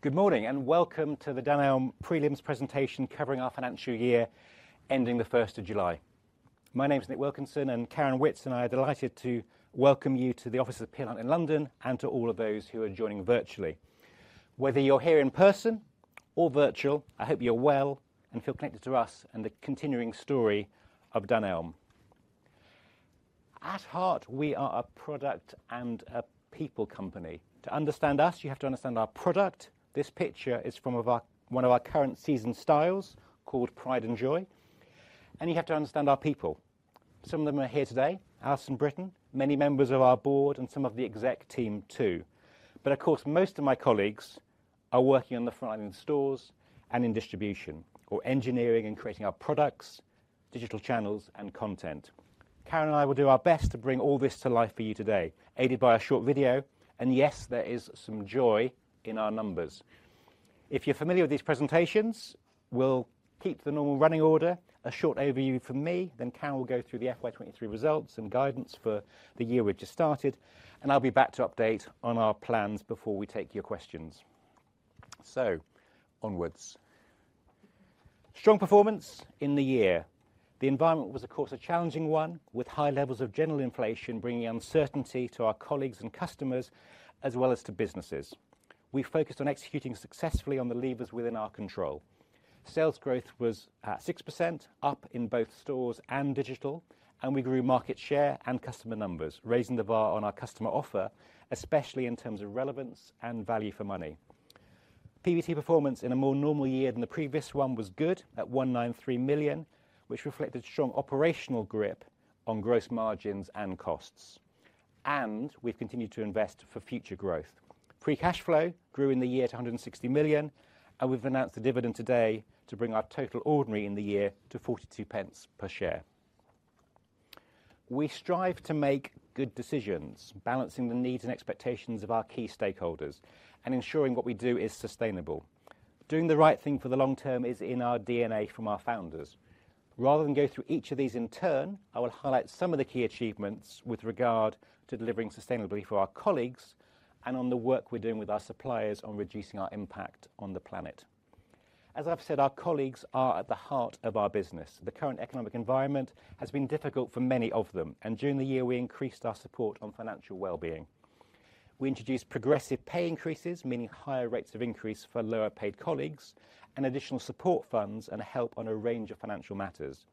Good morning, and welcome to the Dunelm prelims presentation covering our financial year ending the first of July. My name is Nick Wilkinson, and Karen Witts and I are delighted to welcome you to the office of Peel Hunt in London and to all of those who are joining virtually. Whether you're here in person or virtual, I hope you're well and feel connected to us and the continuing story of Dunelm. At heart, we are a product and a people company. To understand us, you have to understand our product. This picture is from one of our current season styles, called Pride and Joy, and you have to understand our people. Some of them are here today, Alison Brittain, many members of our board, and some of the exec team too. But of course, most of my colleagues are working on the front line in stores and in distribution or engineering and creating our products, digital channels, and content. Karen and I will do our best to bring all this to life for you today, aided by a short video, and yes, there is some joy in our numbers. If you're familiar with these presentations, we'll keep the normal running order: a short overview from me, then Karen will go through the FY 2023 results and guidance for the year we've just started, and I'll be back to update on our plans before we take your questions. Onwards. Strong performance in the year. The environment was, of course, a challenging one, with high levels of general inflation bringing uncertainty to our colleagues and customers, as well as to businesses. We focused on executing successfully on the levers within our control. Sales growth was at 6%, up in both stores and digital, and we grew market share and customer numbers, raising the bar on our customer offer, especially in terms of relevance and value for money. PBT performance in a more normal year than the previous one was good, at 193 million, which reflected strong operational grip on gross margins and costs. We've continued to invest for future growth. Free cash flow grew in the year to 160 million, and we've announced a dividend today to bring our total ordinary in the year to 0.42 per share. We strive to make good decisions, balancing the needs and expectations of our key stakeholders and ensuring what we do is sustainable. Doing the right thing for the long term is in our DNA from our founders. Rather than go through each of these in turn, I will highlight some of the key achievements with regard to delivering sustainably for our colleagues and on the work we're doing with our suppliers on reducing our impact on the planet. As I've said, our colleagues are at the heart of our business. The current economic environment has been difficult for many of them, and during the year, we increased our support on financial well-being. We introduced progressive pay increases, meaning higher rates of increase for lower-paid colleagues, and additional support funds and help on a range of financial matters.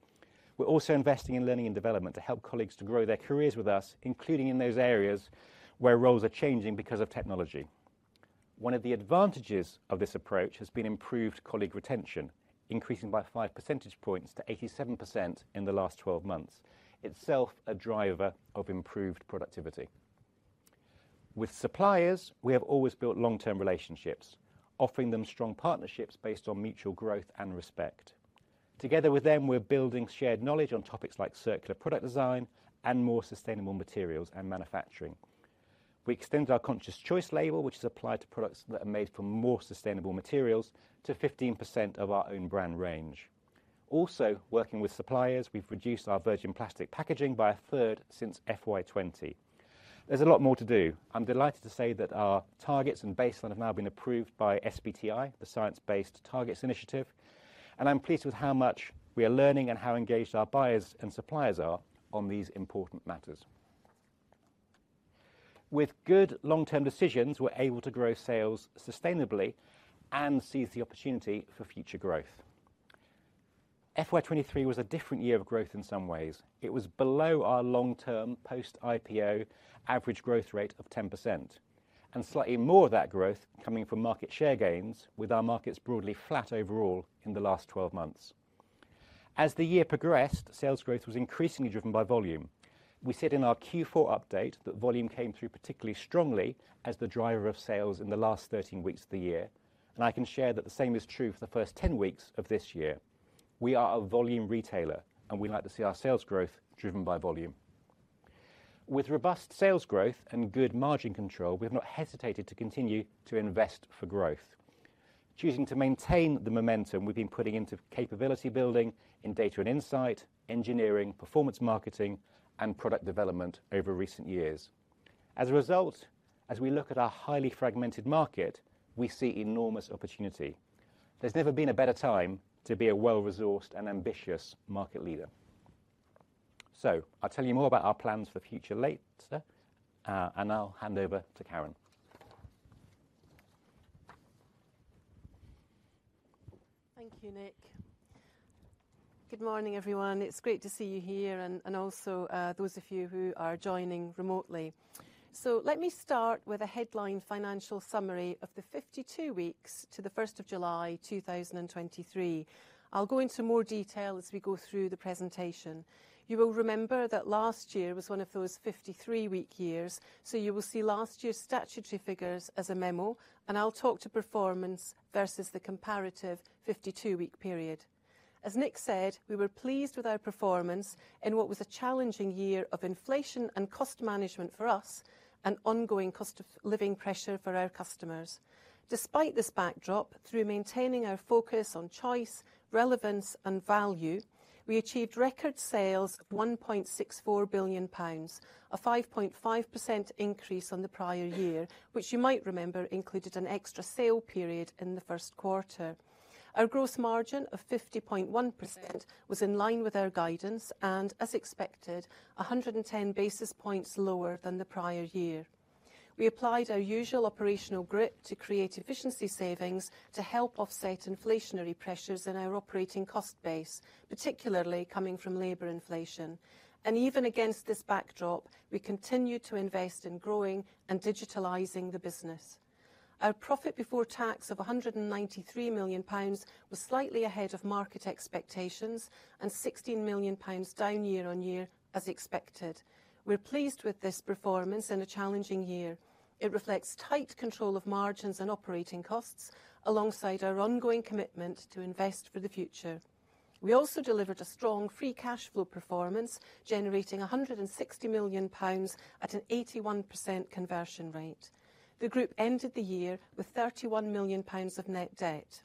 We're also investing in learning and development to help colleagues to grow their careers with us, including in those areas where roles are changing because of technology. One of the advantages of this approach has been improved colleague retention, increasing by 5 percentage points to 87% in the last 12 months, itself a driver of improved productivity. With suppliers, we have always built long-term relationships, offering them strong partnerships based on mutual growth and respect. Together with them, we're building shared knowledge on topics like circular product design and more sustainable materials and manufacturing. We extended our Conscious Choice label, which is applied to products that are made from more sustainable materials, to 15% of our own brand range. Also, working with suppliers, we've reduced our virgin plastic packaging by a third since FY 2020. There's a lot more to do. I'm delighted to say that our targets and baseline have now been approved by SBTi, the Science Based Targets initiative, and I'm pleased with how much we are learning and how engaged our buyers and suppliers are on these important matters. With good long-term decisions, we're able to grow sales sustainably and seize the opportunity for future growth. FY 2023 was a different year of growth in some ways. It was below our long-term post-IPO average growth rate of 10%, and slightly more of that growth coming from market share gains, with our markets broadly flat overall in the last 12 months. As the year progressed, sales growth was increasingly driven by volume. We said in our Q4 update that volume came through particularly strongly as the driver of sales in the last 13 weeks of the year, and I can share that the same is true for the first 10 weeks of this year. We are a volume retailer, and we like to see our sales growth driven by volume. With robust sales growth and good margin control, we have not hesitated to continue to invest for growth. Choosing to maintain the momentum we've been putting into capability building in data and insight, engineering, performance marketing, and product development over recent years. As a result, as we look at our highly fragmented market, we see enormous opportunity. There's never been a better time to be a well-resourced and ambitious market leader. So I'll tell you more about our plans for the future later, and I'll hand over to Karen. Thank you, Nick. Good morning, everyone. It's great to see you here and also those of you who are joining remotely. So let me start with a headline financial summary of the 52 weeks to the July 1st, 2023. I'll go into more detail as we go through the presentation. You will remember that last year was one of those 53-week years, so you will see last year's statutory figures as a memo, and I'll talk to performance versus the comparative 52-week period. As Nick said, we were pleased with our performance in what was a challenging year of inflation and cost management for us and ongoing cost of living pressure for our customers. Despite this backdrop, through maintaining our focus on choice, relevance, and value, we achieved record sales of 1.64 billion pounds, a 5.5% increase on the prior year, which you might remember included an extra sale period in the first quarter. Our gross margin of 50.1% was in line with our guidance and, as expected, 110 basis points lower than the prior year... We applied our usual operational grip to create efficiency savings to help offset inflationary pressures in our operating cost base, particularly coming from labor inflation. And even against this backdrop, we continued to invest in growing and digitalizing the business. Our profit before tax of 193 million pounds was slightly ahead of market expectations and 16 million pounds down year-on-year as expected. We're pleased with this performance in a challenging year. It reflects tight control of margins and operating costs, alongside our ongoing commitment to invest for the future. We also delivered a strong free cash flow performance, generating 160 million pounds at an 81% conversion rate. The group ended the year with 31 million pounds of net debt.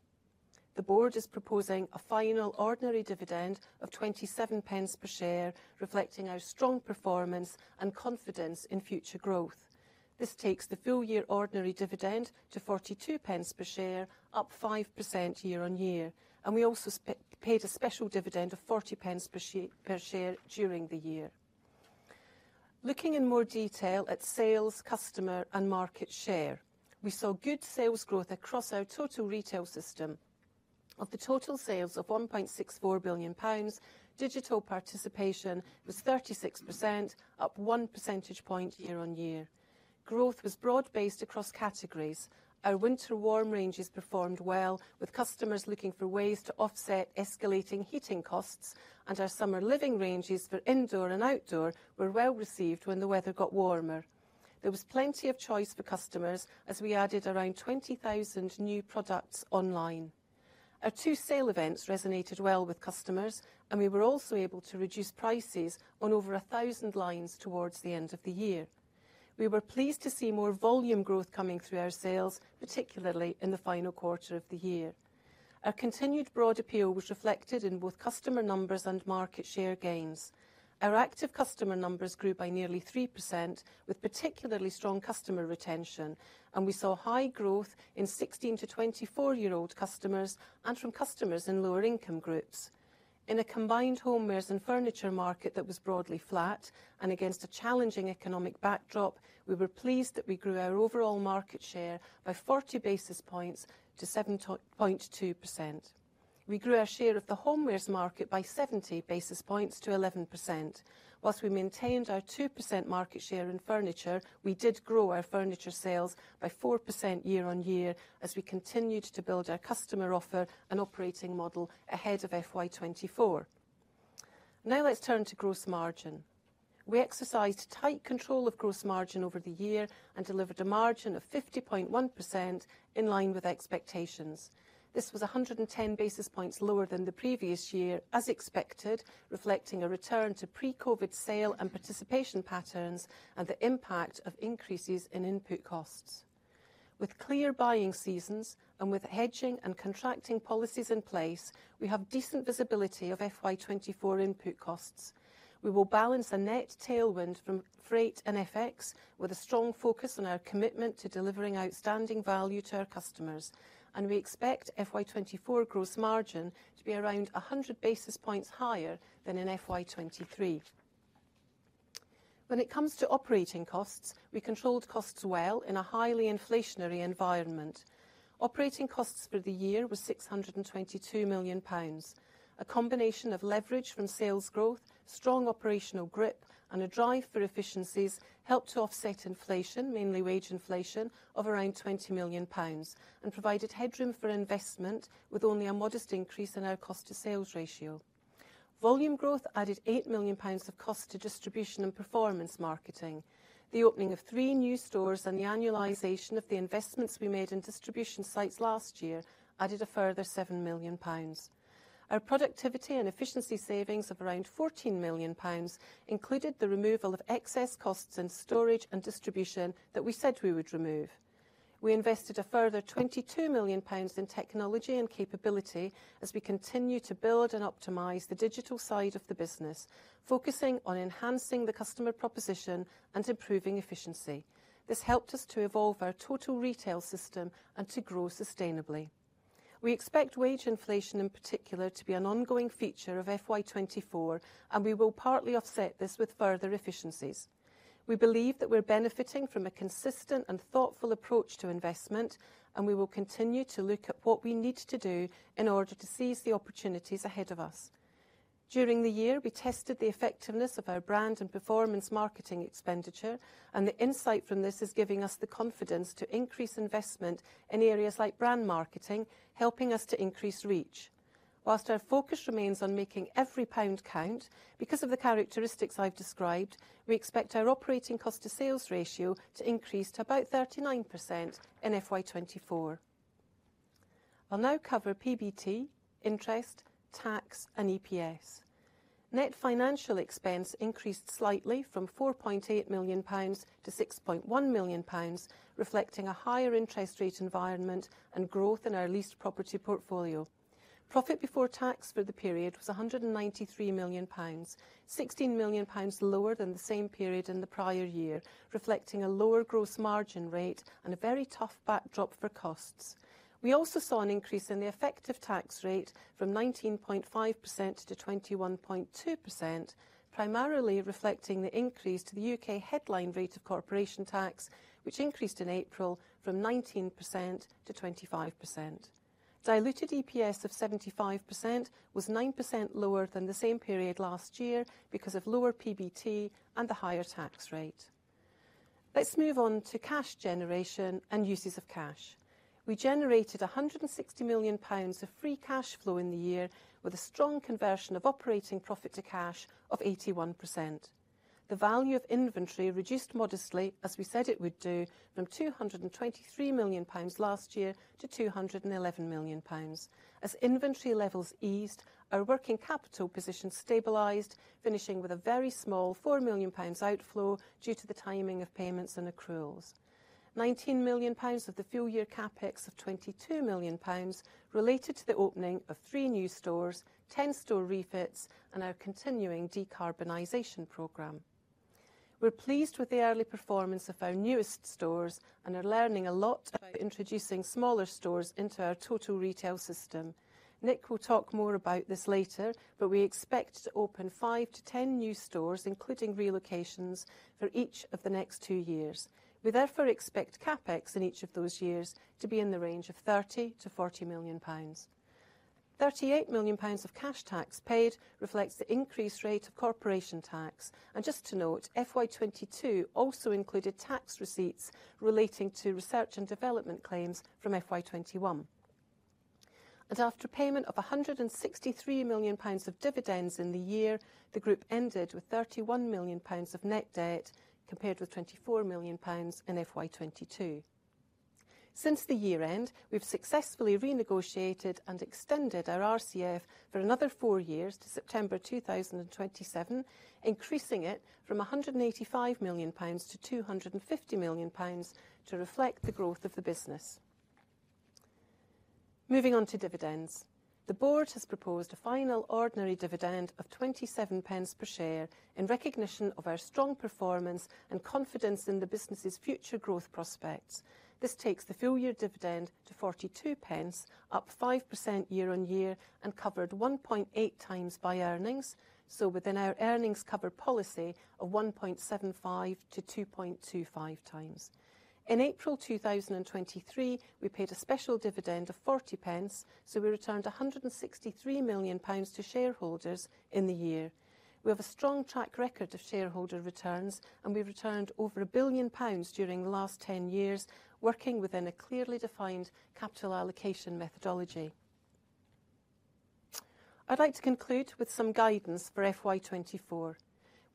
The board is proposing a final ordinary dividend of 0.27 per share, reflecting our strong performance and confidence in future growth. This takes the full year ordinary dividend to 0.42 per share, up 5% year-on-year, and we also paid a special dividend of 0.40 per share during the year. Looking in more detail at sales, customer, and market share, we saw good sales growth across our Total Retail System. Of the total sales of 1.64 billion pounds, digital participation was 36%, up one percentage point year-on-year. Growth was broad-based across categories. Our Winter Warm ranges performed well, with customers looking for ways to offset escalating heating costs, and our Summer Living ranges for indoor and outdoor were well received when the weather got warmer. There was plenty of choice for customers as we added around 20,000 new products online. Our two sale events resonated well with customers, and we were also able to reduce prices on over 1,000 lines towards the end of the year. We were pleased to see more volume growth coming through our sales, particularly in the final quarter of the year. Our continued broad appeal was reflected in both customer numbers and market share gains. Our active customer numbers grew by nearly 3%, with particularly strong customer retention, and we saw high growth in 16- to 24-year-old customers and from customers in lower income groups. In a combined homewares and furniture market that was broadly flat and against a challenging economic backdrop, we were pleased that we grew our overall market share by 40 basis points to 7.2%. We grew our share of the homewares market by 70 basis points to 11%. While we maintained our 2% market share in furniture, we did grow our furniture sales by 4% year-on-year as we continued to build our customer offer and operating model ahead of FY 2024. Now let's turn to gross margin. We exercised tight control of gross margin over the year and delivered a margin of 50.1% in line with expectations. This was 110 basis points lower than the previous year, as expected, reflecting a return to pre-COVID sale and participation patterns and the impact of increases in input costs. With clear buying seasons and with hedging and contracting policies in place, we have decent visibility of FY 2024 input costs. We will balance a net tailwind from freight and FX with a strong focus on our commitment to delivering outstanding value to our customers, and we expect FY 2024 gross margin to be around 100 basis points higher than in FY 2023. When it comes to operating costs, we controlled costs well in a highly inflationary environment. Operating costs for the year were 622 million pounds. A combination of leverage from sales growth, strong operational grip, and a drive for efficiencies helped to offset inflation, mainly wage inflation, of around 20 million pounds and provided headroom for investment with only a modest increase in our cost to sales ratio. Volume growth added 8 million pounds of cost to distribution and performance marketing. The opening of three new stores and the annualization of the investments we made in distribution sites last year added a further 7 million pounds. Our productivity and efficiency savings of around 14 million pounds included the removal of excess costs in storage and distribution that we said we would remove. We invested a further 22 million pounds in technology and capability as we continue to build and optimize the digital side of the business, focusing on enhancing the customer proposition and improving efficiency. This helped us to evolve our Total Retail System and to grow sustainably. We expect wage inflation, in particular, to be an ongoing feature of FY 2024, and we will partly offset this with further efficiencies. We believe that we're benefiting from a consistent and thoughtful approach to investment, and we will continue to look at what we need to do in order to seize the opportunities ahead of us. During the year, we tested the effectiveness of our brand and performance marketing expenditure, and the insight from this is giving us the confidence to increase investment in areas like brand marketing, helping us to increase reach. Whilst our focus remains on making every pound count, because of the characteristics I've described, we expect our operating cost to sales ratio to increase to about 39% in FY 2024. I'll now cover PBT, interest, tax, and EPS. Net financial expense increased slightly from 4.8 million pounds to 6.1 million pounds, reflecting a higher interest rate environment and growth in our leased property portfolio. Profit before tax for the period was 193 million pounds, 16 million pounds lower than the same period in the prior year, reflecting a lower gross margin rate and a very tough backdrop for costs. We also saw an increase in the effective tax rate from 19.5% to 21.2%, primarily reflecting the increase to the U.K. headline rate of corporation tax, which increased in April from 19% to 25%.... Diluted EPS of 0.75 was 9% lower than the same period last year because of lower PBT and the higher tax rate. Let's move on to cash generation and uses of cash. We generated 160 million pounds of free cash flow in the year, with a strong conversion of operating profit to cash of 81%. The value of inventory reduced modestly, as we said it would do, from 223 million pounds last year to 211 million pounds. As inventory levels eased, our working capital position stabilized, finishing with a very small 4 million pounds outflow due to the timing of payments and accruals. 19 million pounds of the full year CapEx of 22 million pounds related to the opening of three new stores, 10 store refits, and our continuing decarbonization program. We're pleased with the early performance of our newest stores and are learning a lot about introducing smaller stores into our Total Retail System. Nick will talk more about this later, but we expect to open five to 10 new stores, including relocations, for each of the next two years. We therefore expect CapEx in each of those years to be in the range of 30 million-40 million pounds. 38 million pounds of cash tax paid reflects the increased rate of corporation tax. Just to note, FY 2022 also included tax receipts relating to research and development claims from FY 2021. After payment of 163 million pounds of dividends in the year, the group ended with 31 million pounds of net debt, compared with 24 million pounds in FY 2022. Since the year-end, we've successfully renegotiated and extended our RCF for another four years to September 2027, increasing it from 185 million pounds to 250 million pounds to reflect the growth of the business. Moving on to dividends. The Board has proposed a final ordinary dividend of 0.27 per share in recognition of our strong performance and confidence in the business's future growth prospects. This takes the full-year dividend to 0.42, up 5% year-on-year and covered 1.8x by earnings, so within our earnings cover policy of 1.75x-2.25x. In April 2023, we paid a special dividend of 0.40, so we returned 163 million pounds to shareholders in the year. We have a strong track record of shareholder returns, and we've returned over 1 billion pounds during the last 10 years, working within a clearly defined capital allocation methodology. I'd like to conclude with some guidance for FY 2024.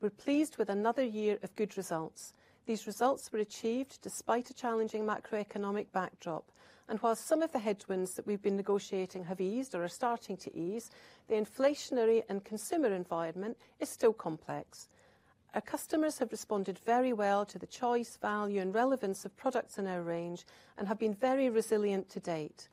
We're pleased with another year of good results. These results were achieved despite a challenging macroeconomic backdrop, and while some of the headwinds that we've been negotiating have eased or are starting to ease, the inflationary and consumer environment is still complex. Our customers have responded very well to the choice, value, and relevance of products in our range and have been very resilient to date.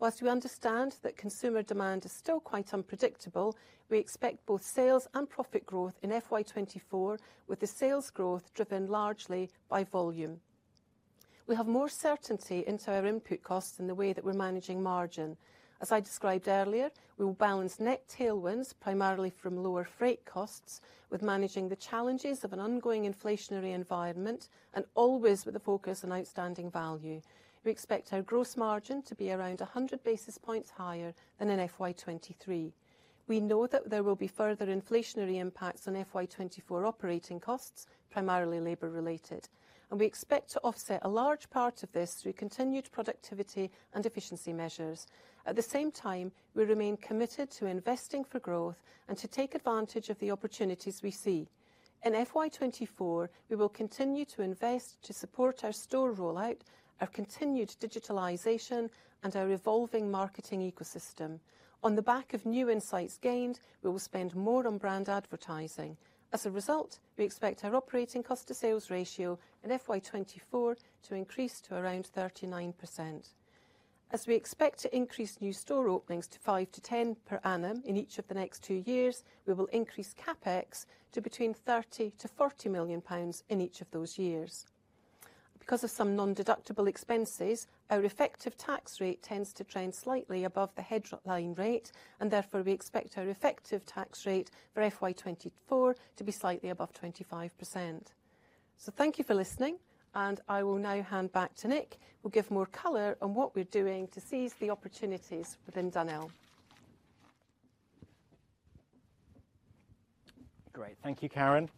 While we understand that consumer demand is still quite unpredictable, we expect both sales and profit growth in FY 2024, with the sales growth driven largely by volume. We have more certainty into our input costs and the way that we're managing margin. As I described earlier, we will balance net tailwinds, primarily from lower freight costs, with managing the challenges of an ongoing inflationary environment and always with a focus on outstanding value. We expect our gross margin to be around 100 basis points higher than in FY 2023. We know that there will be further inflationary impacts on FY 2024 operating costs, primarily labor-related, and we expect to offset a large part of this through continued productivity and efficiency measures. At the same time, we remain committed to investing for growth and to take advantage of the opportunities we see. In FY 2024, we will continue to invest to support our store rollout, our continued digitalization, and our evolving Marketing Ecosystem. On the back of new insights gained, we will spend more on brand advertising. As a result, we expect our operating cost to sales ratio in FY 2024 to increase to around 39%. As we expect to increase new store openings to five to 10 per annum in each of the next two years, we will increase CapEx to between 30 million-40 million pounds in each of those years. Because of some non-deductible expenses, our effective tax rate tends to trend slightly above the headline rate, and therefore we expect our effective tax rate for FY 2024 to be slightly above 25%. So thank you for listening, and I will now hand back to Nick, who'll give more color on what we're doing to seize the opportunities within Dunelm. Great. Thank you, Karen.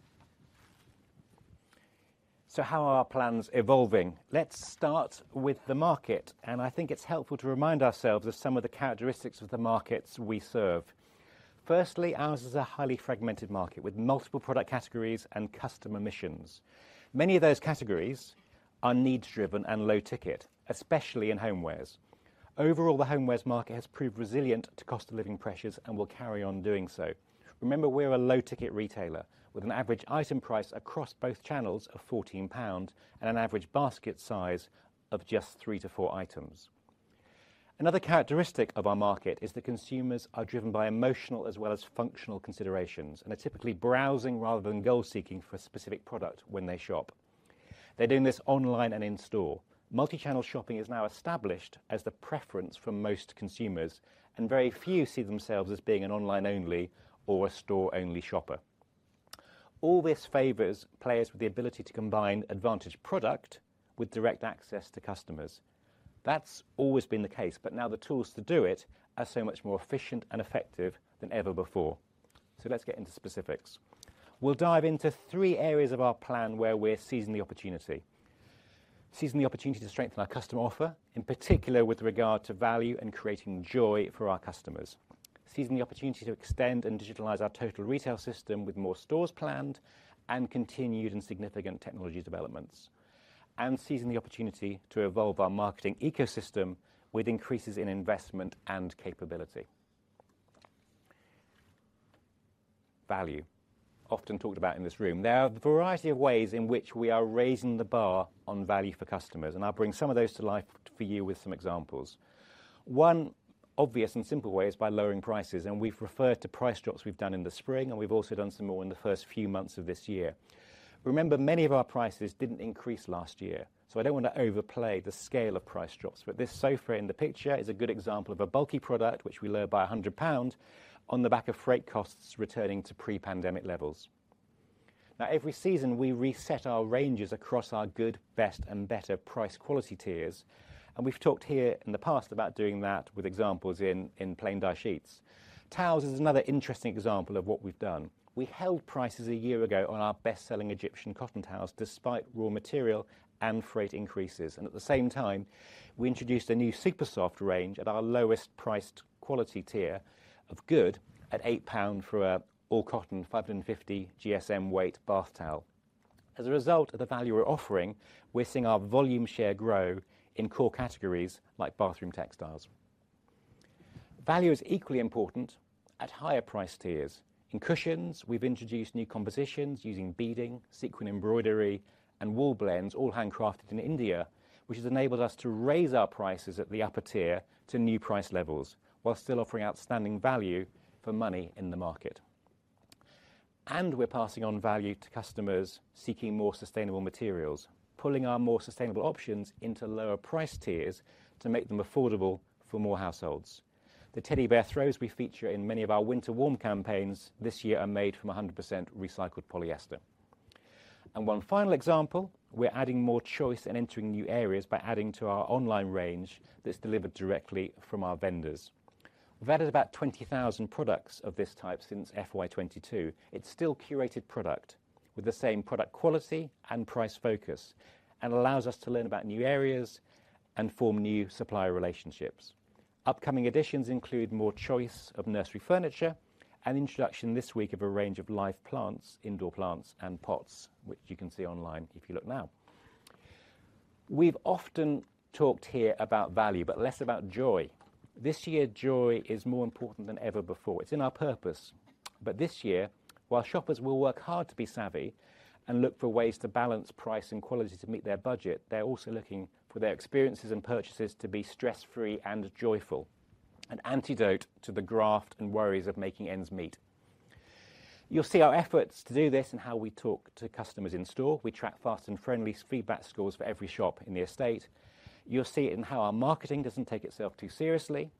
So how are our plans evolving? Let's start with the market, and I think it's helpful to remind ourselves of some of the characteristics of the markets we serve. Firstly, ours is a highly fragmented market with multiple product categories and customer missions. Many of those categories are needs-driven and low ticket, especially in homewares. Overall, the homewares market has proved resilient to cost of living pressures and will carry on doing so. Remember, we're a low-ticket retailer with an average item price across both channels of 14 pound and an average basket size of just three to four items. Another characteristic of our market is that consumers are driven by emotional as well as functional considerations and are typically browsing rather than goal-seeking for a specific product when they shop. They're doing this online and in-store. Multichannel shopping is now established as the preference for most consumers, and very few see themselves as being an online-only or a store-only shopper.... All this favors players with the ability to combine advantage product with direct access to customers. That's always been the case, but now the tools to do it are so much more efficient and effective than ever before. So let's get into specifics. We'll dive into three areas of our plan where we're seizing the opportunity. Seizing the opportunity to strengthen our customer offer, in particular with regard to value and creating joy for our customers. Seizing the opportunity to extend and digitalize our Total Retail System with more stores planned and continued and significant technology developments, and seizing the opportunity to evolve our Marketing Ecosystem with increases in investment and capability. Value, often talked about in this room. There are a variety of ways in which we are raising the bar on value for customers, and I'll bring some of those to life for you with some examples. One obvious and simple way is by lowering prices, and we've referred to price drops we've done in the spring, and we've also done some more in the first few months of this year. Remember, many of our prices didn't increase last year, so I don't want to overplay the scale of price drops, but this sofa in the picture is a good example of a bulky product, which we lowered by 100 pounds on the back of freight costs returning to pre-pandemic levels. Now, every season, we reset our ranges across our Good, Best, and Better price quality tiers, and we've talked here in the past about doing that with examples in plain dye sheets. Towels is another interesting example of what we've done. We held prices a year ago on our best-selling Egyptian Cotton towels, despite raw material and freight increases. At the same time, we introduced a new Super Soft range at our lowest priced quality tier of good at 8 pound for an all-cotton, 550 GSM weight bath towel. As a result of the value we're offering, we're seeing our volume share grow in core categories like bathroom textiles. Value is equally important at higher price tiers. In cushions, we've introduced new compositions using beading, sequin embroidery, and wool blends, all handcrafted in India, which has enabled us to raise our prices at the upper tier to new price levels, while still offering outstanding value for money in the market. We're passing on value to customers seeking more sustainable materials, pulling our more sustainable options into lower price tiers to make them affordable for more households. The Teddy Bear throws we feature in many of our Winter Warm campaigns this year are made from 100% recycled polyester. And one final example, we're adding more choice and entering new areas by adding to our online range that's delivered directly from our vendors. We've added about 20,000 products of this type since FY 2022. It's still curated product with the same product quality and price focus, and allows us to learn about new areas and form new supplier relationships. Upcoming additions include more choice of nursery furniture and introduction this week of a range of live plants, indoor plants, and pots, which you can see online if you look now. We've often talked here about value, but less about joy. This year, joy is more important than ever before. It's in our purpose. But this year, while shoppers will work hard to be savvy and look for ways to balance price and quality to meet their budget, they're also looking for their experiences and purchases to be stress-free and joyful, an antidote to the graft and worries of making ends meet. You'll see our efforts to do this and how we talk to customers in store. We track Fast and Friendly feedback scores for every shop in the estate. You'll see it in how our marketing doesn't take itself too seriously.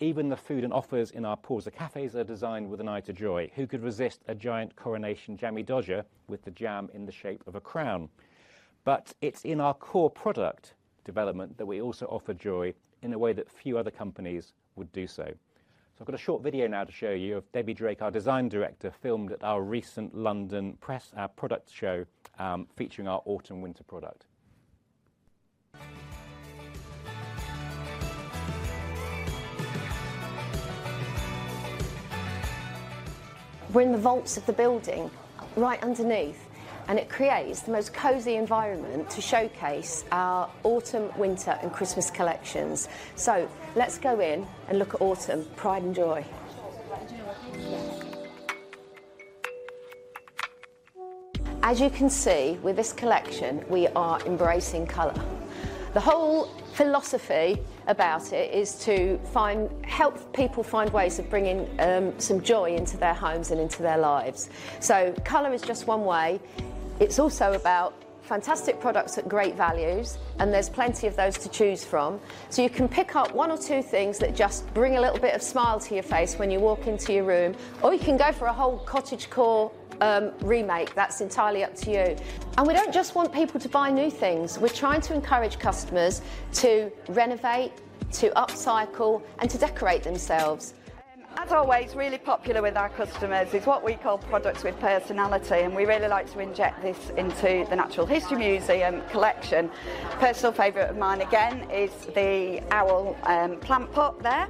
Even the food and offers in our Pausa cafes are designed with an eye to joy. Who could resist a giant Coronation Jammie Dodger with the jam in the shape of a crown? But it's in our core product development that we also offer joy in a way that few other companies would do so. So I've got a short video now to show you of Debbie Drake, our design director, filmed at our recent London press, our product show, featuring our autumn, winter product. We're in the vaults of the building right underneath, and it creates the most cozy environment to showcase our autumn, winter, and Christmas collections. So let's go in and look at autumn, Pride and Joy. As you can see, with this collection, we are embracing color. The whole philosophy about it is to help people find ways of bringing some joy into their homes and into their lives. So color is just one way. It's also about fantastic products at great values, and there's plenty of those to choose from. So you can pick up one or two things that just bring a little bit of smile to your face when you walk into your room, or you can go for a whole cottagecore remake. That's entirely up to you. And we don't just want people to buy new things. We're trying to encourage customers to renovate, to upcycle, and to decorate themselves. As always, really popular with our customers is what we call products with personality, and we really like to inject this into the Natural History Museum collection. Personal favorite of mine, again, is the owl, plant pot there,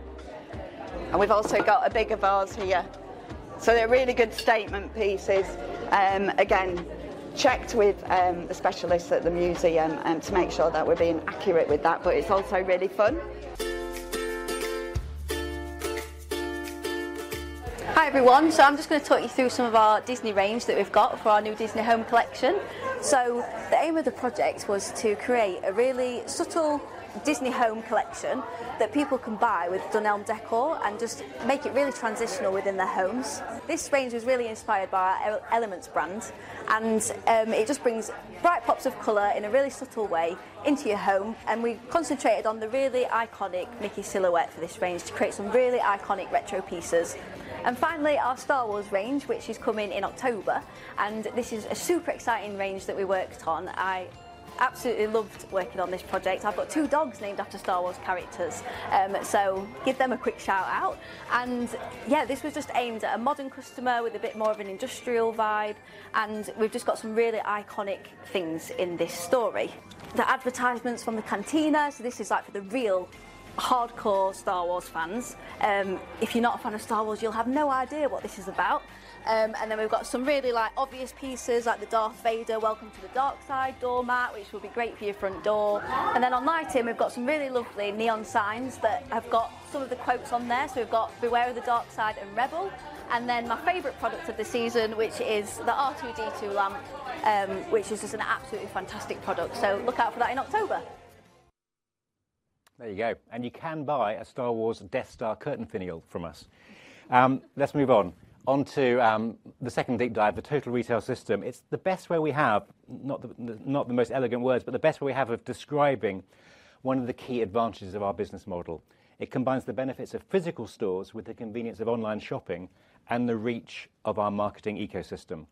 and we've also got a bigger vase here. So they're really good statement pieces. Again, checked with, the specialists at the museum, to make sure that we're being accurate with that, but it's also really fun. Hi, everyone. So I'm just gonna talk you through some of our Disney range that we've got for our new Disney Home collection. So the aim of the project was to create a really subtle Disney home collection that people can buy with Dunelm Decor and just make it really transitional within their homes. This range was really inspired by our Elements brand and it just brings bright pops of color in a really subtle way into your home, and we've concentrated on the really iconic Mickey silhouette for this range to create some really iconic retro pieces. And finally, our Star Wars range, which is coming in October, and this is a super exciting range that we worked on. I absolutely loved working on this project. I've got two dogs named after Star Wars characters, so give them a quick shout-out. And yeah, this was just aimed at a modern customer with a bit more of an industrial vibe, and we've just got some really iconic things in this story. The advertisements from the Cantina, so this is, like, for the real hardcore Star Wars fans. If you're not a fan of Star Wars, you'll have no idea what this is about. And then we've got some really, like, obvious pieces, like the Darth Vader, "Welcome to the Dark Side" doormat, which will be great for your front door. And then on my team, we've got some really lovely neon signs that have got some of the quotes on there. So we've got, "Beware of the Dark Side" and "Rebel," and then my favorite product of the season, which is the R2-D2 lamp, which is just an absolutely fantastic product, so look out for that in October. There you go, and you can buy a Star Wars Death Star curtain finial from us. Let's move on. On to the second deep dive, the Total Retail System. It's the best way we have, not the most elegant words, but the best way we have of describing one of the key advantages of our business model. It combines the benefits of physical stores with the convenience of online shopping and the reach of our Marketing Ecosystem.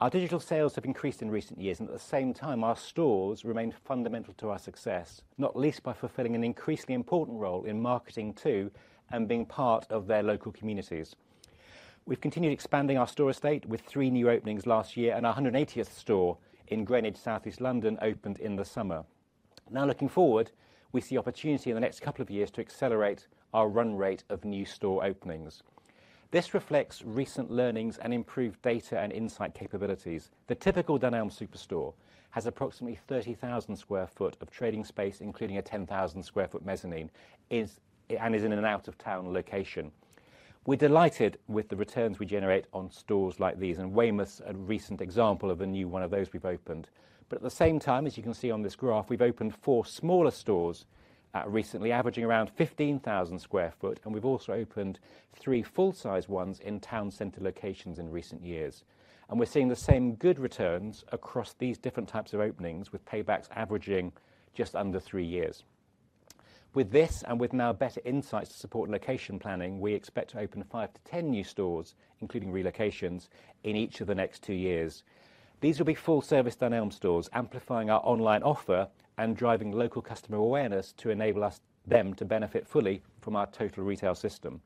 Our digital sales have increased in recent years, and at the same time, our stores remained fundamental to our success, not least by fulfilling an increasingly important role in marketing, too, and being part of their local communities. We've continued expanding our store estate with three new openings last year, and our 180th store in Greenwich, Southeast London, opened in the summer. Now, looking forward, we see opportunity in the next couple of years to accelerate our run rate of new store openings. This reflects recent learnings and improved data and insight capabilities. The typical Dunelm superstore has approximately 30,000 sq ft of trading space, including a 10,000 sq ft mezzanine, and is in an out-of-town location. We're delighted with the returns we generate on stores like these, and Weymouth's a recent example of a new one of those we've opened. But at the same time, as you can see on this graph, we've opened four smaller stores recently, averaging around 15,000 sq ft, and we've also opened three full-size ones in town center locations in recent years. And we're seeing the same good returns across these different types of openings, with paybacks averaging just under three years. With this, and with now better insights to support location planning, we expect to open five to 10 new stores, including relocations, in each of the next two years. These will be full-service Dunelm stores, amplifying our online offer and driving local customer awareness to enable them to benefit fully from our Total Retail System.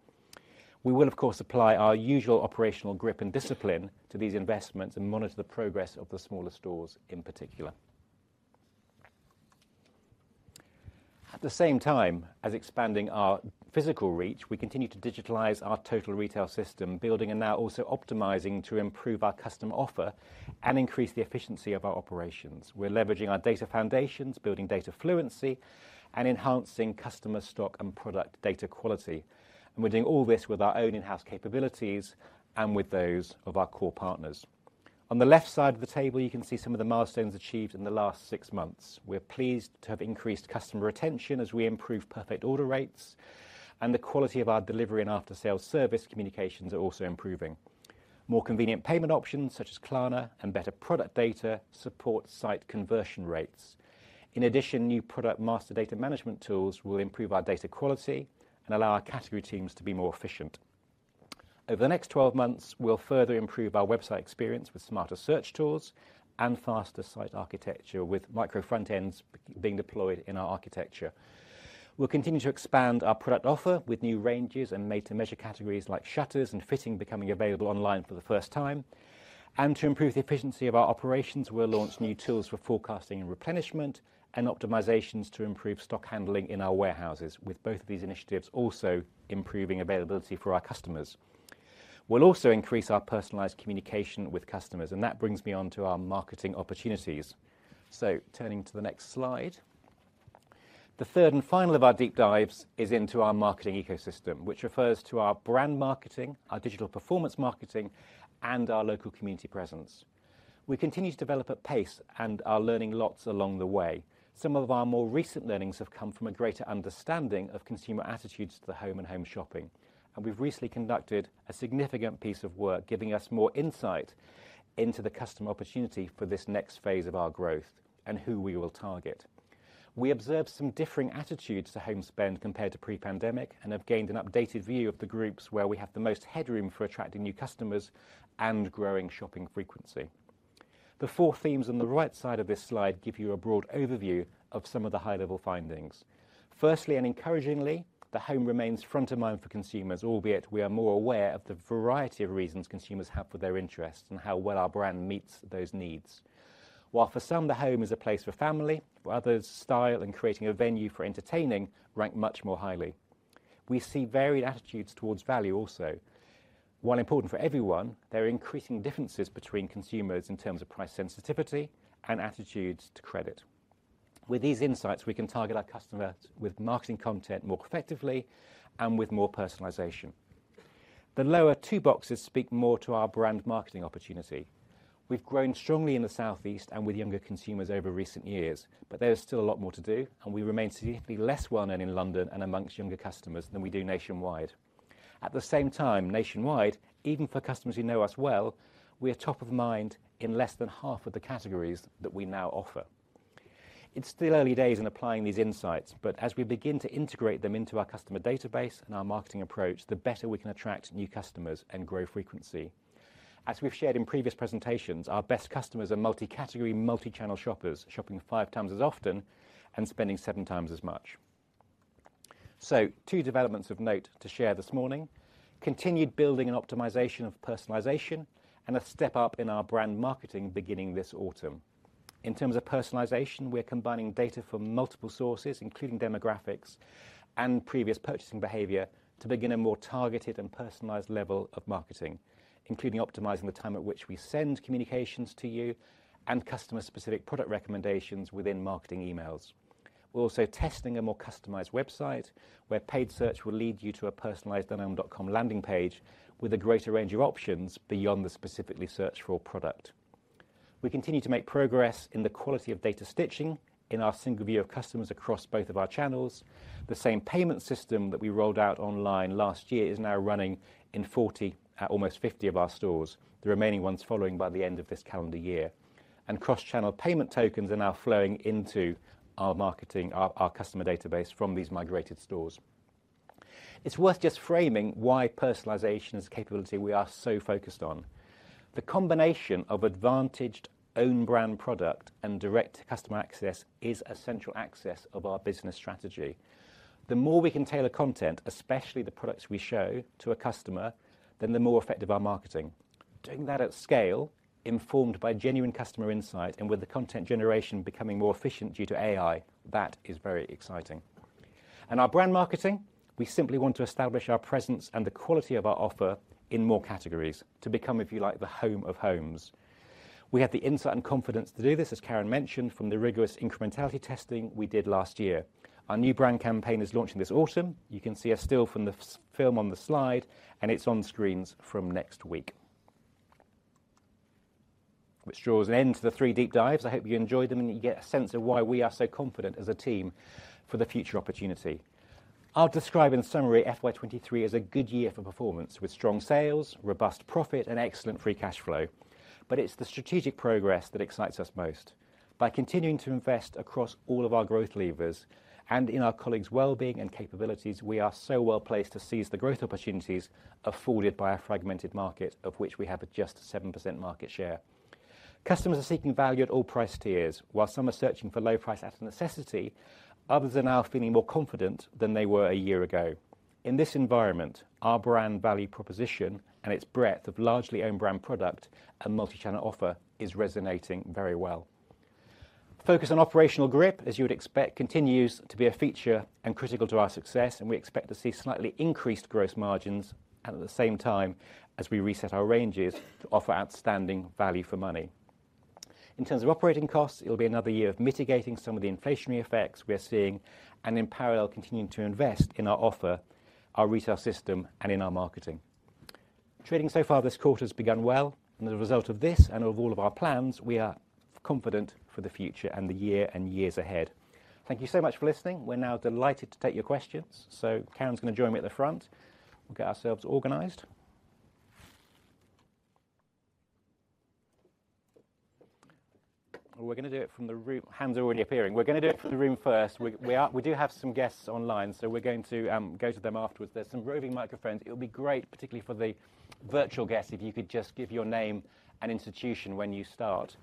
We will, of course, apply our usual operational grip and discipline to these investments and monitor the progress of the smaller stores, in particular. At the same time as expanding our physical reach, we continue to digitalize our Total Retail System, building and now also optimizing to improve our customer offer and increase the efficiency of our operations. We're leveraging our data foundations, building data fluency, and enhancing customer stock and product data quality, and we're doing all this with our own in-house capabilities and with those of our core partners. On the left side of the table, you can see some of the milestones achieved in the last six months. We're pleased to have increased customer retention as we improve perfect order rates, and the quality of our delivery and after-sales service communications are also improving. More convenient payment options, such as Klarna, and better product data support site conversion rates. In addition, new product master data management tools will improve our data quality and allow our category teams to be more efficient. Over the next 12 months, we'll further improve our website experience with smarter search tools and faster site architecture, with micro-frontends being deployed in our architecture. We'll continue to expand our product offer with new ranges and made-to-measure categories, like shutters and fitting, becoming available online for the first time. And to improve the efficiency of our operations, we'll launch new tools for forecasting and replenishment and optimizations to improve stock handling in our warehouses, with both of these initiatives also improving availability for our customers. We'll also increase our personalized communication with customers, and that brings me on to our marketing opportunities. So turning to the next slide. The third and final of our deep dives is into our Marketing Ecosystem, which refers to our brand marketing, our digital performance marketing, and our local community presence. We continue to develop at pace and are learning lots along the way. Some of our more recent learnings have come from a greater understanding of consumer attitudes to the home and home shopping, and we've recently conducted a significant piece of work, giving us more insight into the customer opportunity for this next phase of our growth and who we will target. We observed some differing attitudes to home spend compared to pre-pandemic and have gained an updated view of the groups where we have the most headroom for attracting new customers and growing shopping frequency. The four themes on the right side of this slide give you a broad overview of some of the high-level findings. Firstly, and encouragingly, the home remains front of mind for consumers, albeit we are more aware of the variety of reasons consumers have for their interest and how well our brand meets those needs. While for some, the home is a place for family, for others, style and creating a venue for entertaining rank much more highly. We see varied attitudes towards value also. While important for everyone, there are increasing differences between consumers in terms of price sensitivity and attitudes to credit. With these insights, we can target our customer with marketing content more effectively and with more personalization. The lower two boxes speak more to our brand marketing opportunity. We've grown strongly in the Southeast and with younger consumers over recent years, but there is still a lot more to do, and we remain significantly less well-known in London and amongst younger customers than we do nationwide. At the same time, nationwide, even for customers who know us well, we are top of mind in less than half of the categories that we now offer. It's still early days in applying these insights, but as we begin to integrate them into our customer database and our marketing approach, the better we can attract new customers and grow frequency. As we've shared in previous presentations, our best customers are multi-category, multi-channel shoppers, shopping 5x as often and spending 7x as much. Two developments of note to share this morning: continued building and optimization of personalization and a step up in our brand marketing beginning this autumn. In terms of personalization, we're combining data from multiple sources, including demographics and previous purchasing behavior, to begin a more targeted and personalized level of marketing, including optimizing the time at which we send communications to you and customer-specific product recommendations within marketing emails. We're also testing a more customized website, where paid search will lead you to a personalized Dunelm.com landing page with a greater range of options beyond the specifically searched-for product. We continue to make progress in the quality of data stitching in our single view of customers across both of our channels. The same payment system that we rolled out online last year is now running in 40, almost 50 of our stores, the remaining ones following by the end of this calendar year. Cross-channel payment tokens are now flowing into our marketing, our customer database from these migrated stores. It's worth just framing why personalization is a capability we are so focused on. The combination of advantaged own brand product and direct customer access is a central axis of our business strategy. The more we can tailor content, especially the products we show to a customer, then the more effective our marketing. Doing that at scale, informed by genuine customer insight and with the content generation becoming more efficient due to AI, that is very exciting. Our brand marketing, we simply want to establish our presence and the quality of our offer in more categories to become, if you like, the Home of Homes. We have the insight and confidence to do this, as Karen mentioned, from the rigorous incrementality testing we did last year. Our new brand campaign is launching this autumn. You can see a still from the short film on the slide, and it's on screens from next week. Which draws to an end to the three deep dives. I hope you enjoyed them and you get a sense of why we are so confident as a team for the future opportunity. I'll describe in summary, FY 2023 as a good year for performance, with strong sales, robust profit, and excellent free cash flow, but it's the strategic progress that excites us most. By continuing to invest across all of our growth levers and in our colleagues' well-being and capabilities, we are so well placed to seize the growth opportunities afforded by a fragmented market, of which we have just a 7% market share. Customers are seeking value at all price tiers. While some are searching for low price out of necessity, others are now feeling more confident than they were a year ago. In this environment, our brand value proposition and its breadth of largely own brand product and multi-channel offer is resonating very well. Focus on operational grip, as you would expect, continues to be a feature and critical to our success, and we expect to see slightly increased gross margins at the same time as we reset our ranges to offer outstanding value for money. In terms of operating costs, it'll be another year of mitigating some of the inflationary effects we are seeing, and in parallel, continuing to invest in our offer, our retail system, and in our marketing. Trading so far this quarter has begun well, and as a result of this and of all of our plans, we are confident for the future and the year and years ahead. Thank you so much for listening. We're now delighted to take your questions. So Karen's going to join me at the front. We'll get ourselves organized. We're going to do it from the room. Hands are already appearing. We're going to do it from the room first. We do have some guests online, so we're going to go to them afterwards. There's some roving microphones. It'll be great, particularly for the virtual guests, if you could just give your name and institution when you start.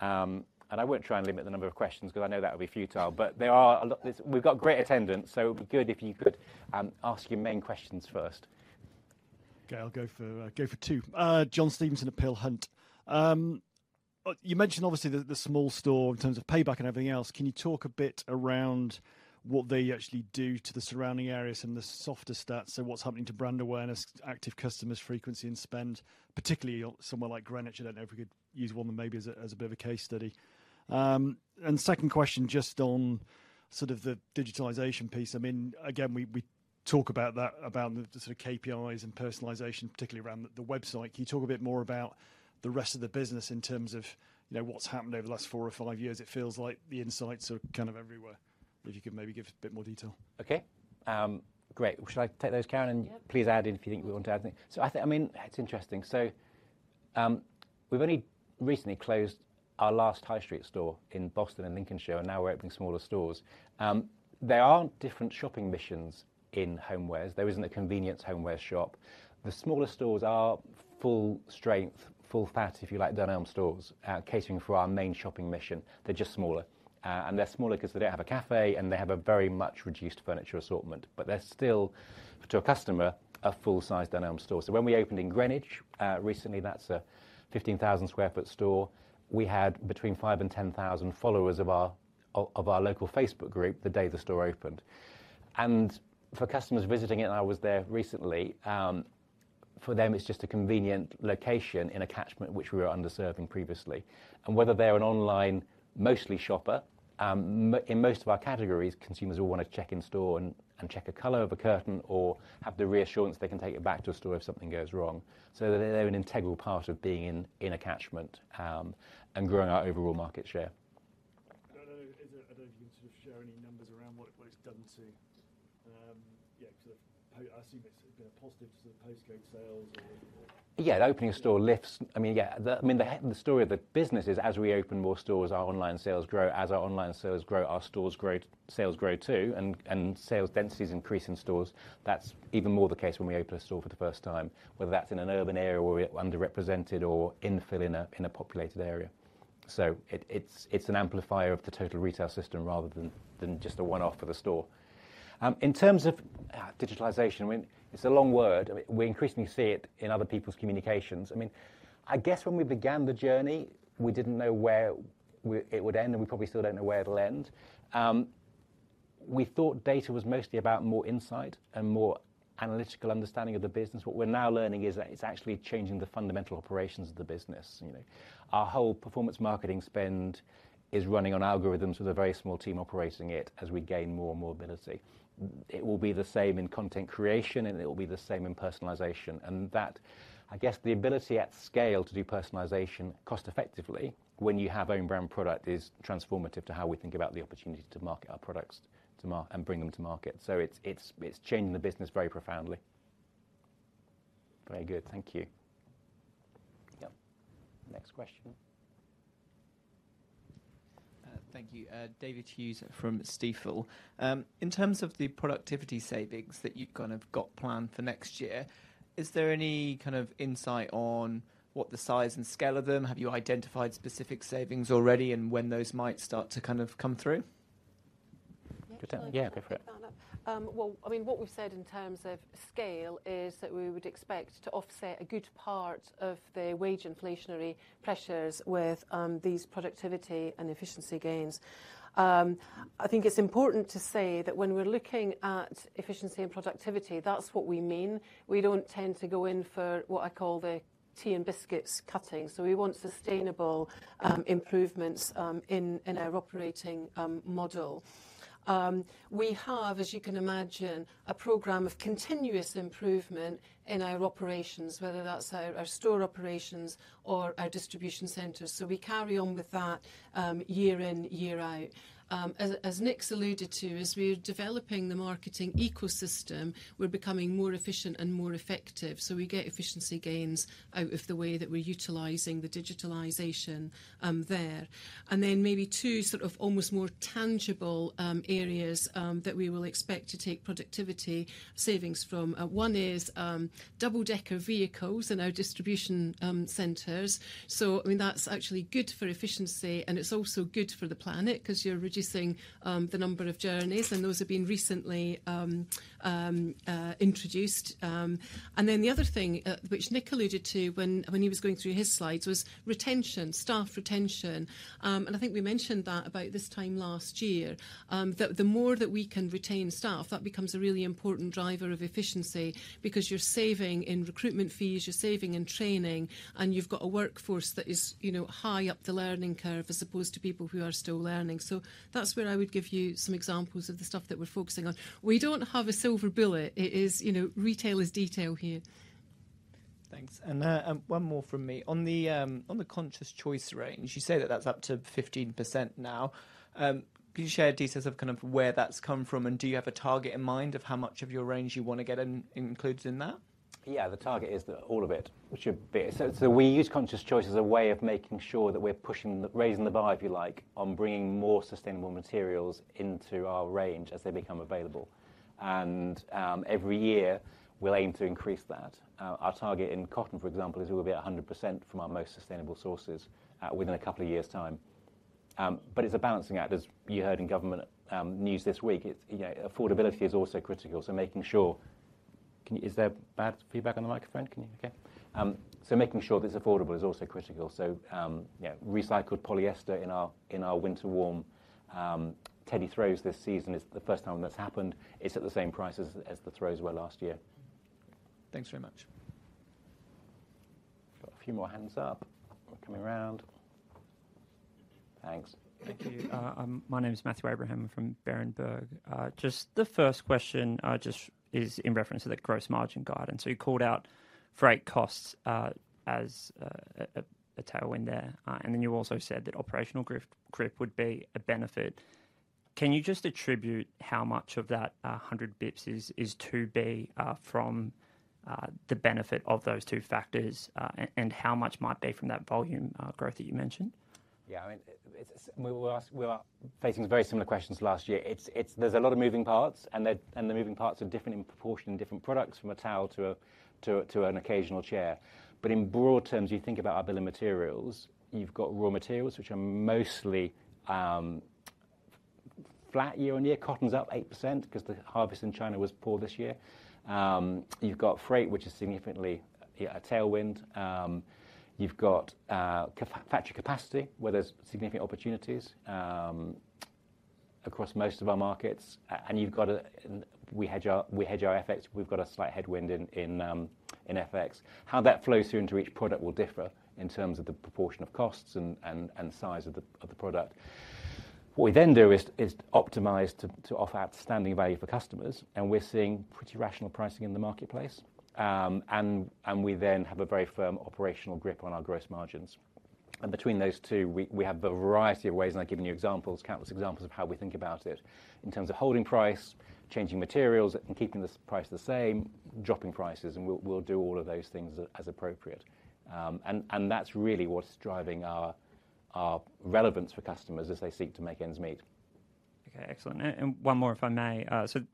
I won't try and limit the number of questions because I know that would be futile, but there are a lot. We've got great attendance, so it'd be good if you could ask your main questions first. Okay, I'll go for two. John Stevenson at Peel Hunt. You mentioned obviously the, the small store in terms of payback and everything else. Can you talk a bit around what they actually do to the surrounding areas and the softer stats? So what's happening to brand awareness, active customers, frequency, and spend, particularly somewhere like Greenwich? I don't know if we could use one maybe as a, as a bit of a case study. And second question, just on sort of the digitalization piece. I mean, again, we, we talk about that, about the sort of KPIs and personalization, particularly around the, the website. Can you talk a bit more about the rest of the business in terms of, you know, what's happened over the last four or five years? It feels like the insights are kind of everywhere. But if you could maybe give a bit more detail. Okay, great. Should I take those, Karen? Yep. And please add in if you think we want to add anything. So I think, I mean, it's interesting. So, we've only recently closed our last high street store in Boston in Lincolnshire, and now we're opening smaller stores. There aren't different shopping missions in homewares. There isn't a convenience homeware shop. The smaller stores are full strength, full fat, if you like, Dunelm stores, catering for our main shopping mission. They're just smaller. And they're smaller because they don't have a cafe, and they have a very much reduced furniture assortment, but they're still, to a customer, a full-size Dunelm store. So when we opened in Greenwich, recently, that's a 15,000 sq ft store, we had between 5,000-10,000 followers of our, of, of our local Facebook group the day the store opened. For customers visiting it, I was there recently, for them, it's just a convenient location in a catchment which we were underserving previously. Whether they're an online, mostly shopper, in most of our categories, consumers will want to check in store and check a color of a curtain or have the reassurance they can take it back to a store if something goes wrong. They're an integral part of being in a catchment and growing our overall market share. ... you can sort of share any numbers around what it's done to, yeah, 'cause I assume it's been a positive to the postcode sales or? Yeah, I mean, the story of the business is, as we open more stores, our online sales grow. As our online sales grow, our stores grow, sales grow, too, and sales densities increase in stores. That's even more the case when we open a store for the first time, whether that's in an urban area where we're underrepresented or infill in a populated area. So it's an amplifier of the Total Retail System rather than just a one-off for the store. In terms of digitalization, I mean, it's a long word, and we increasingly see it in other people's communications. I mean, I guess when we began the journey, we didn't know where it would end, and we probably still don't know where it'll end. We thought data was mostly about more insight and more analytical understanding of the business. What we're now learning is that it's actually changing the fundamental operations of the business, you know. Our whole performance marketing spend is running on algorithms with a very small team operating it, as we gain more and more ability. It will be the same in content creation, and it'll be the same in personalization. And that... I guess, the ability at scale to do personalization cost-effectively when you have own brand product, is transformative to how we think about the opportunity to market our products, and bring them to market. So it's, it's, it's changing the business very profoundly. Very good. Thank you. Yep. Next question. Thank you. David Hughes from Stifel. In terms of the productivity savings that you've kind of got planned for next year, is there any kind of insight on what the size and scale of them? Have you identified specific savings already, and when those might start to kind of come through? Go for that. Yeah, go for it. Well, I mean, what we've said in terms of scale is that we would expect to offset a good part of the wage inflationary pressures with these productivity and efficiency gains. I think it's important to say that when we're looking at efficiency and productivity, that's what we mean. We don't tend to go in for what I call the tea and biscuits cutting, so we want sustainable improvements in our operating model. We have, as you can imagine, a program of continuous improvement in our operations, whether that's our store operations or our distribution centers, so we carry on with that year in, year out. As Nick's alluded to, as we're developing the Marketing Ecosystem, we're becoming more efficient and more effective, so we get efficiency gains out of the way that we're utilizing the digitalization, there. And then maybe two, sort of, almost more tangible areas that we will expect to take productivity savings from, one is double-decker vehicles in our distribution centers. So, I mean, that's actually good for efficiency, and it's also good for the planet 'cause you're reducing the number of journeys, and those have been recently introduced. And then the other thing, which Nick alluded to when he was going through his slides, was retention, staff retention. And I think we mentioned that about this time last year, that the more that we can retain staff, that becomes a really important driver of efficiency because you're saving in recruitment fees, you're saving in training, and you've got a workforce that is, you know, high up the learning curve, as opposed to people who are still learning. So that's where I would give you some examples of the stuff that we're focusing on. We don't have a silver bullet. It is, you know, retail is detail here. Thanks, one more from me. On the Conscious Choice range, you say that that's up to 15% now. Can you share details of kind of where that's come from, and do you have a target in mind of how much of your range you wanna get included in that? Yeah. The target is the all of it, which it be. So we use Conscious Choice as a way of making sure that we're pushing, raising the bar, if you like, on bringing more sustainable materials into our range as they become available, and every year, we'll aim to increase that. Our target in cotton, for example, is we'll be at 100% from our most sustainable sources, within a couple of years' time. But it's a balancing act, as you heard in government news this week. It's, you know, affordability is also critical, so making sure. Can you-- Is there bad feedback on the microphone? Can you... Okay. So making sure it's affordable is also critical. So yeah, recycled polyester in our Winter Warm Teddy throws this season is the first time that's happened. It's at the same price as the throws were last year. Thanks very much. Got a few more hands up. We're coming around. Thanks. Thank you. My name is Matthew Abraham from Berenberg. Just the first question, just is in reference to the gross margin guidance. So you called out freight costs as a tailwind there, and then you also said that operational grip would be a benefit. Can you just attribute how much of that 100 basis points is to be from the benefit of those two factors, and how much might be from that volume growth that you mentioned? Yeah, I mean, it's... We were asked—we were facing very similar questions last year. It's—there's a lot of moving parts, and the moving parts are different in proportion and different products, from a towel to an occasional chair. But in broad terms, you think about our bill of materials, you've got raw materials, which are mostly flat year-on-year. Cotton's up 8% because the harvest in China was poor this year. You've got freight, which is significantly, yeah, a tailwind. You've got factory capacity, where there's significant opportunities across most of our markets—and you've got a... We hedge our FX. We've got a slight headwind in FX. How that flows through into each product will differ in terms of the proportion of costs and size of the product. What we then do is optimize to offer outstanding value for customers, and we're seeing pretty rational pricing in the marketplace. And we then have a very firm operational grip on our gross margins, and between those two, we have a variety of ways, and I've given you examples, countless examples of how we think about it in terms of holding price, changing materials, and keeping this price the same, dropping prices, and we'll do all of those things as appropriate. And that's really what's driving our relevance for customers as they seek to make ends meet. Okay, excellent. One more, if I may.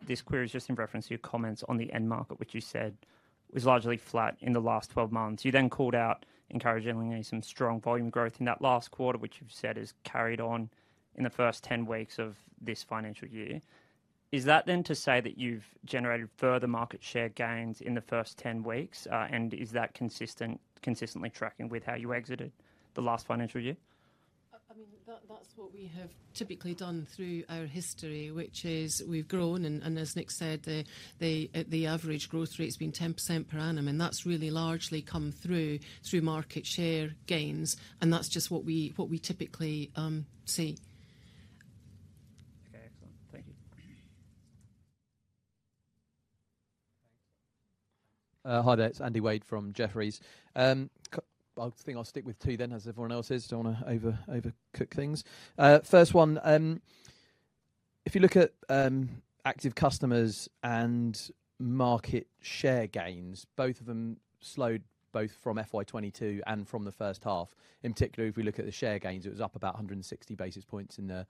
This query is just in reference to your comments on the end market, which you said was largely flat in the last 12 months. You then called out, encouragingly, some strong volume growth in that last quarter, which you've said has carried on in the first 10 weeks of this financial year. Is that then to say that you've generated further market share gains in the first 10 weeks? Is that consistently tracking with how you exited the last financial year? I mean, that's what we have typically done through our history, which is we've grown, and as Nick said, the average growth rate's been 10% per annum, and that's really largely come through market share gains, and that's just what we typically see. Okay, excellent. Thank you. Hi there. It's Andy Wade from Jefferies. Well, I think I'll stick with two then, as everyone else is. Don't want to overcook things. First one, if you look at active customers and market share gains, both of them slowed, both from FY 2022 and from the first half. In particular, if we look at the share gains, it was up about 160 basis points in the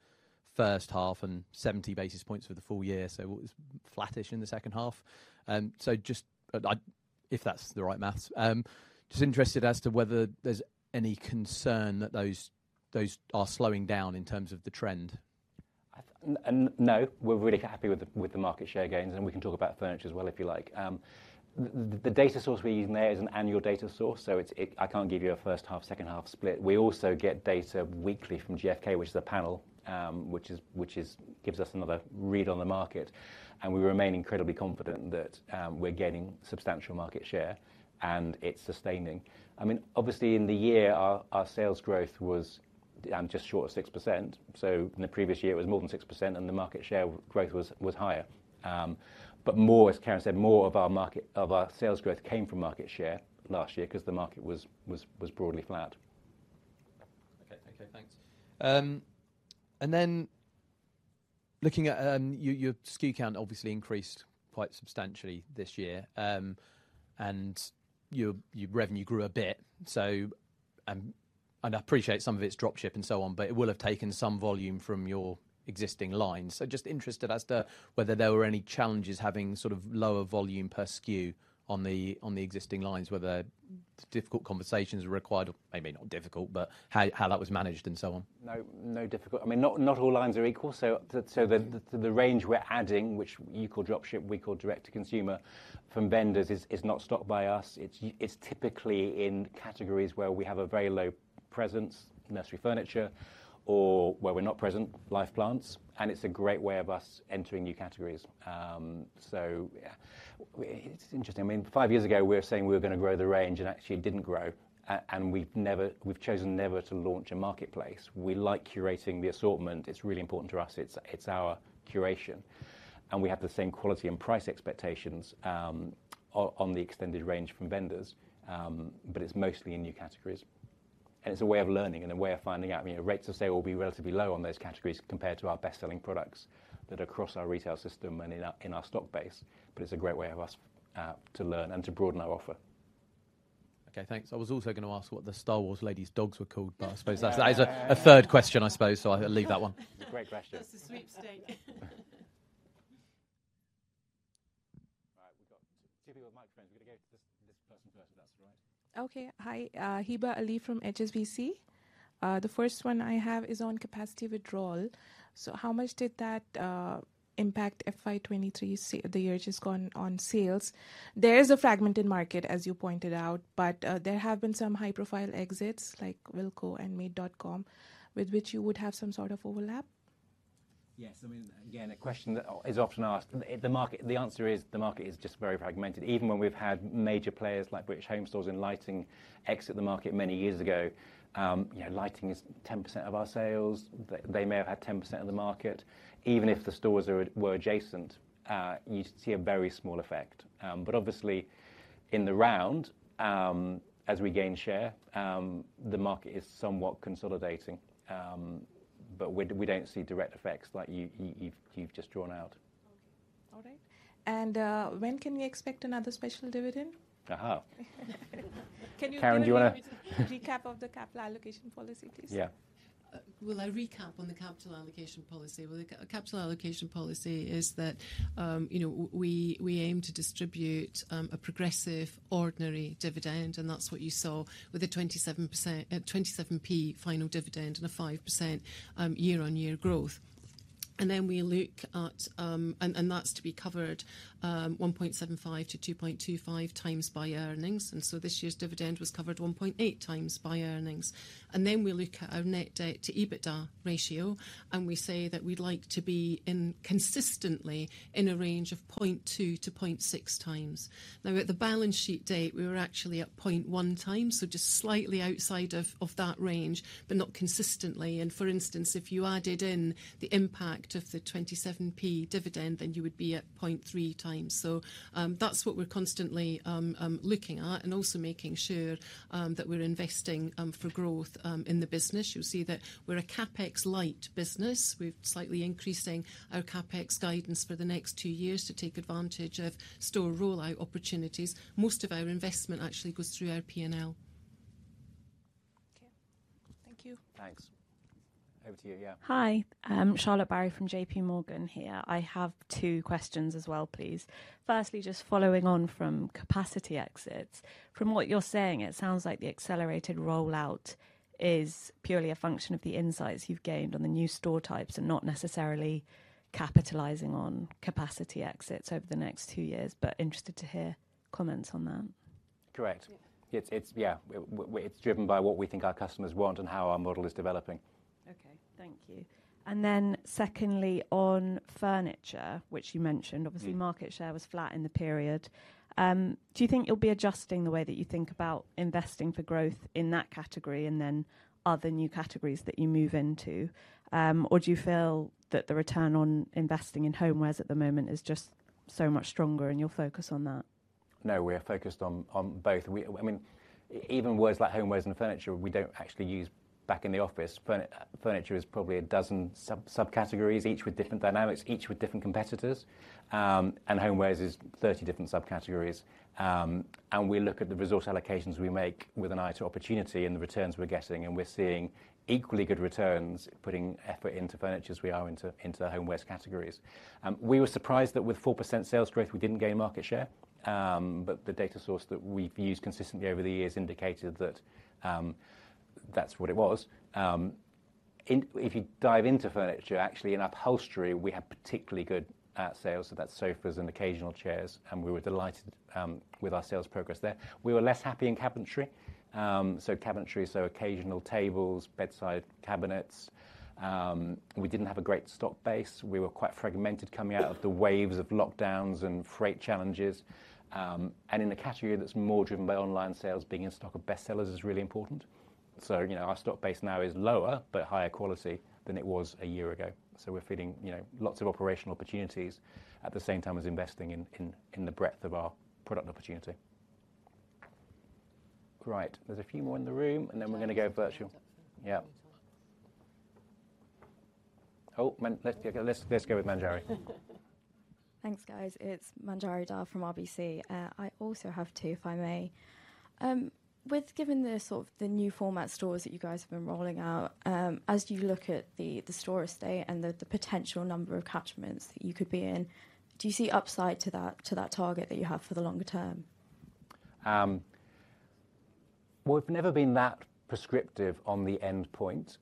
first half and 70 basis points for the full year, so it was flattish in the second half. I... If that's the right maths, just interested as to whether there's any concern that those, those are slowing down in terms of the trend? No, we're really happy with the market share gains, and we can talk about furniture as well, if you like. The data source we use in there is an annual data source, so it's—I can't give you a first half, second half split. We also get data weekly from GfK, which is a panel, which is—gives us another read on the market, and we remain incredibly confident that we're gaining substantial market share, and it's sustaining. I mean, obviously, in the year, our sales growth was just short of 6%, so in the previous year, it was more than 6%, and the market share growth was higher. But more, as Karen said, more of our market, of our sales growth came from market share last year because the market was broadly flat. Okay. Okay, thanks. And then looking at your SKU count obviously increased quite substantially this year, and your revenue grew a bit, so, and I appreciate some of it's drop ship and so on, but it will have taken some volume from your existing lines. So just interested as to whether there were any challenges having sort of lower volume per SKU on the existing lines, whether difficult conversations were required or maybe not difficult, but how that was managed and so on? No, I mean, not all lines are equal, so the range we're adding, which you call drop ship, we call direct-to-consumer, from vendors is not stocked by us. It's typically in categories where we have a very low presence, nursery, furniture, or where we're not present, live plants, and it's a great way of us entering new categories. So yeah, it's interesting. I mean, five years ago, we were saying we were going to grow the range and actually it didn't grow, and we've chosen never to launch a marketplace. We like curating the assortment. It's really important to us. It's our curation, and we have the same quality and price expectations on the extended range from vendors, but it's mostly in new categories. It's a way of learning and a way of finding out. You know, rates of sale will be relatively low on those categories compared to our best-selling products that are across our retail system and in our stock base. But it's a great way of us to learn and to broaden our offer. Okay, thanks. I was also going to ask what the Star Wars lady's dogs were called, but I suppose that's a third question, I suppose, so I'll leave that one. It's a great question. That's a sweepstake. All right, we've got two people with microphones. We're going to go to this, this person first, if that's all right. Okay. Hi, Hiba Ali from HSBC. The first one I have is on capacity withdrawal. So how much did that impact FY 2023 the year just gone on sales? There is a fragmented market, as you pointed out, but there have been some high-profile exits, like Wilko and Made.com, with which you would have some sort of overlap. Yes, I mean, again, a question that is often asked. The answer is, the market is just very fragmented. Even when we've had major players, like British Home Stores and Lighting, exit the market many years ago, you know, Lighting is 10% of our sales. They may have had 10% of the market. Even if the stores were adjacent, you see a very small effect. But obviously, in the round, as we gain share, the market is somewhat consolidating. But we don't see direct effects like you've just drawn out. Okay. All right. When can we expect another special dividend? Aha! Karen, do you want to- Can you give me a recap of the capital allocation policy, please? Yeah. Well, I recap on the capital allocation policy. The capital allocation policy is that, you know, we aim to distribute a progressive, ordinary dividend, and that's what you saw with the 27%—27p final dividend and a 5% year-on-year growth. We look at, you know, that's to be covered 1.75x-2.25x by earnings, and so this year's dividend was covered 1.8x by earnings. We look at our net debt to EBITDA ratio, and we say that we'd like to be consistently in a range of 0.2x-0.6x. Now, at the balance sheet date, we were actually at 0.1x, so just slightly outside of that range. But not consistently, and for instance, if you added in the impact of the 27p dividend, then you would be at 0.3x. So, that's what we're constantly looking at, and also making sure that we're investing for growth in the business. You'll see that we're a CapEx-light business. We're slightly increasing our CapEx guidance for the next two years to take advantage of store rollout opportunities. Most of our investment actually goes through our P&L. Okay. Thank you. Thanks. Over to you, yeah. Hi, I'm Charlotte Barry from JPMorgan here. I have two questions as well, please. Firstly, just following on from capacity exits. From what you're saying, it sounds like the accelerated rollout is purely a function of the insights you've gained on the new store types, and not necessarily capitalising on capacity exits over the next two years, but interested to hear comments on that. Correct. It's, yeah, it's driven by what we think our customers want and how our model is developing. Okay, thank you. And then secondly, on furniture, which you mentioned- Mm. obviously, market share was flat in the period. Do you think you'll be adjusting the way that you think about investing for growth in that category, and then other new categories that you move into? Or do you feel that the return on investing in homewares at the moment is just so much stronger, and you're focused on that? No, we are focused on both. I mean, even words like homewares and furniture, we don't actually use back in the office. Furniture is probably a dozen subcategories, each with different dynamics, each with different competitors. Homewares is 30 different subcategories. We look at the resource allocations we make with an eye to opportunity and the returns we're getting, and we're seeing equally good returns, putting effort into furniture as we are into the homewares categories. We were surprised that with 4% sales growth, we didn't gain market share. But the data source that we've used consistently over the years indicated that that's what it was. If you dive into furniture, actually, in upholstery, we had particularly good sales, so that's sofas and occasional chairs, and we were delighted with our sales progress there. We were less happy in cabinetry. So cabinetry, so occasional tables, bedside cabinets. We didn't have a great stock base. We were quite fragmented coming out of the waves of lockdowns and freight challenges. And in a category that's more driven by online sales, being in stock of bestsellers is really important. So, you know, our stock base now is lower, but higher quality than it was a year ago. So we're feeding, you know, lots of operational opportunities at the same time as investing in the breadth of our product opportunity. Right. There's a few more in the room, and then we're going to go virtual. Yeah. Oh, let's go with Manjari. Thanks, guys. It's Manjari Dhar from RBC. I also have two, if I may. With given the sort of new format stores that you guys have been rolling out, as you look at the store estate and the potential number of catchments that you could be in, do you see upside to that target that you have for the longer term? Well, we've never been that prescriptive on the endpoint.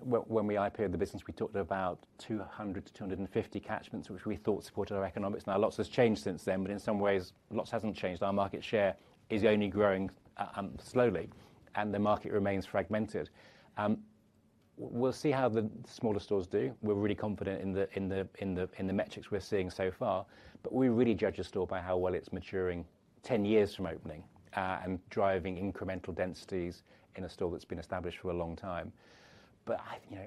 When we IPO-ed the business, we talked about 200-250 catchments, which we thought supported our economics. Now, a lot has changed since then, but in some ways, lots hasn't changed. Our market share is only growing slowly, and the market remains fragmented. We'll see how the smaller stores do. We're really confident in the metrics we're seeing so far. But we really judge a store by how well it's maturing 10 years from opening, and driving incremental densities in a store that's been established for a long time. But I... You know,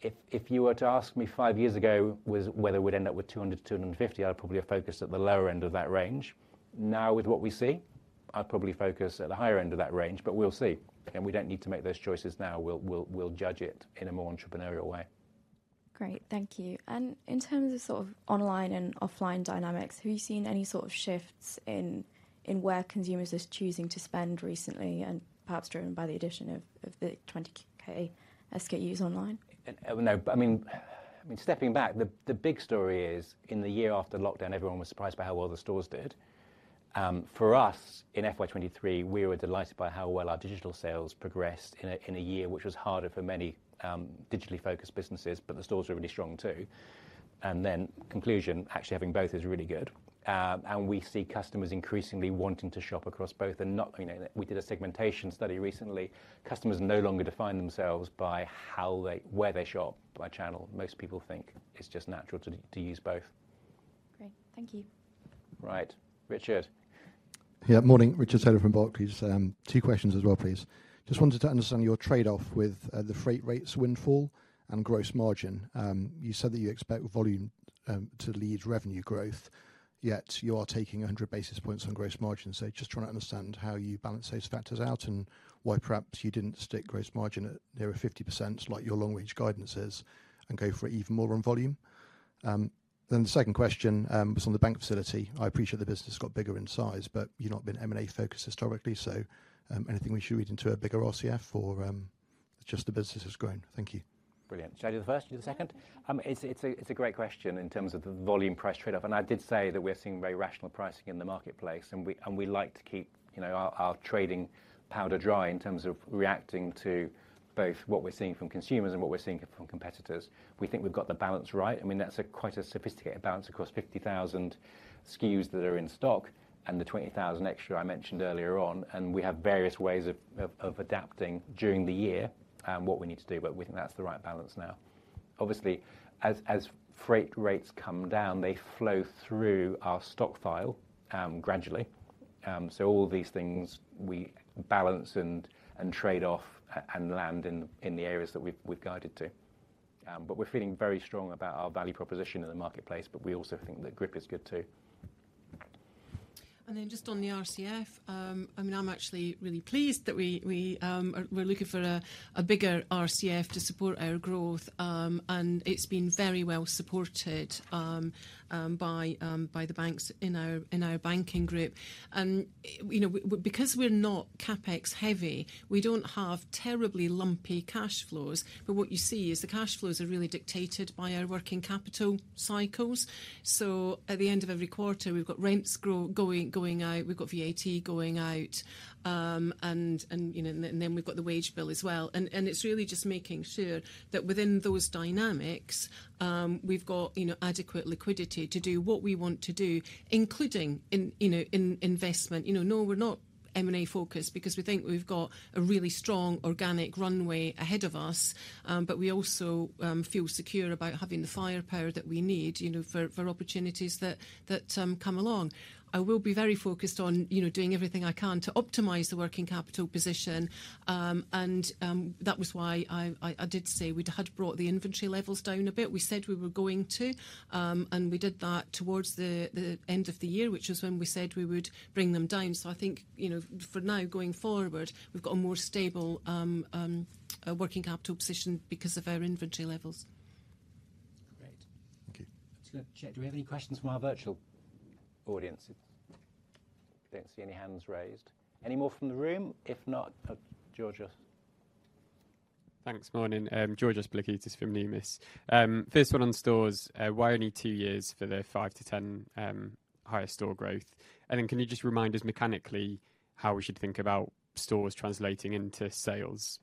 yeah, if you were to ask me five years ago whether we'd end up with 200-250, I'd probably have focused at the lower end of that range. Now, with what we see, I'd probably focus at the higher end of that range, but we'll see. We don't need to make those choices now. We'll judge it in a more entrepreneurial way. Thank you. In terms of sort of online and offline dynamics, have you seen any sort of shifts in where consumers are choosing to spend recently, and perhaps driven by the addition of the 20,000 SKUs online? No. But I mean, stepping back, the big story is, in the year after lockdown, everyone was surprised by how well the stores did. For us, in FY 2023, we were delighted by how well our digital sales progressed in a year, which was harder for many digitally focused businesses, but the stores were really strong, too. And then, conclusion, actually having both is really good. And we see customers increasingly wanting to shop across both and not... You know, we did a segmentation study recently. Customers no longer define themselves by how they - where they shop by channel. Most people think it's just natural to use both. Great. Thank you. Right. Richard? Yeah, morning, Richard Taylor from Barclays. Two questions as well, please. Just wanted to understand your trade-off with, the freight rates windfall and gross margin. You said that you expect volume, to lead revenue growth, yet you are taking 100 basis points on gross margin. So just trying to understand how you balance those factors out, and why perhaps you didn't stick gross margin at nearer 50%, like your long-range guidance is, and go for it even more on volume. Then the second question, was on the bank facility. I appreciate the business got bigger in size, but you've not been M&A focused historically, so, anything we should read into a bigger RCF or, just the business has grown? Thank you. Brilliant. Shall I do the first, you do the second? It's a great question in terms of the volume price trade-off, and I did say that we're seeing very rational pricing in the marketplace, and we like to keep, you know, our trading powder dry in terms of reacting to both what we're seeing from consumers and what we're seeing from competitors. We think we've got the balance right. I mean, that's quite a sophisticated balance across 50,000 SKUs that are in stock and the 20,000 extra I mentioned earlier on, and we have various ways of adapting during the year what we need to do, but we think that's the right balance now. Obviously, as freight rates come down, they flow through our stock file gradually. So all these things we balance and trade off and land in the areas that we've guided to. But we're feeling very strong about our value proposition in the marketplace, but we also think that grip is good, too. I'm actually really pleased that we are looking for a bigger RCF to support our growth, and it's been very well supported by the banks in our banking group. You know, because we're not CapEx heavy, we don't have terribly lumpy cash flows, but what you see is the cash flows are really dictated by our working capital cycles. At the end of every quarter, we've got rents going out, we've got VAT going out, and, you know, and then we've got the wage bill as well. It's really just making sure that within those dynamics, we've got adequate liquidity to do what we want to do, including investment. You know, no, we're not M&A focused because we think we've got a really strong organic runway ahead of us, but we also feel secure about having the firepower that we need, you know, for opportunities that come along. I will be very focused on, you know, doing everything I can to optimize the working capital position, and that was why I did say we'd had brought the inventory levels down a bit. We said we were going to, and we did that towards the end of the year, which is when we said we would bring them down. So I think, you know, for now, going forward, we've got a more stable working capital position because of our inventory levels. Great. Thank you. Let's go check. Do we have any questions from our virtual audience? I don't see any hands raised. Any more from the room? If not... Oh, Georgios. Thanks. Morning, Georgios Pilakoutas from Numis. First one on stores, why only two years for the five to 10 higher store growth? And then can you just remind us mechanically how we should think about stores translating into sales?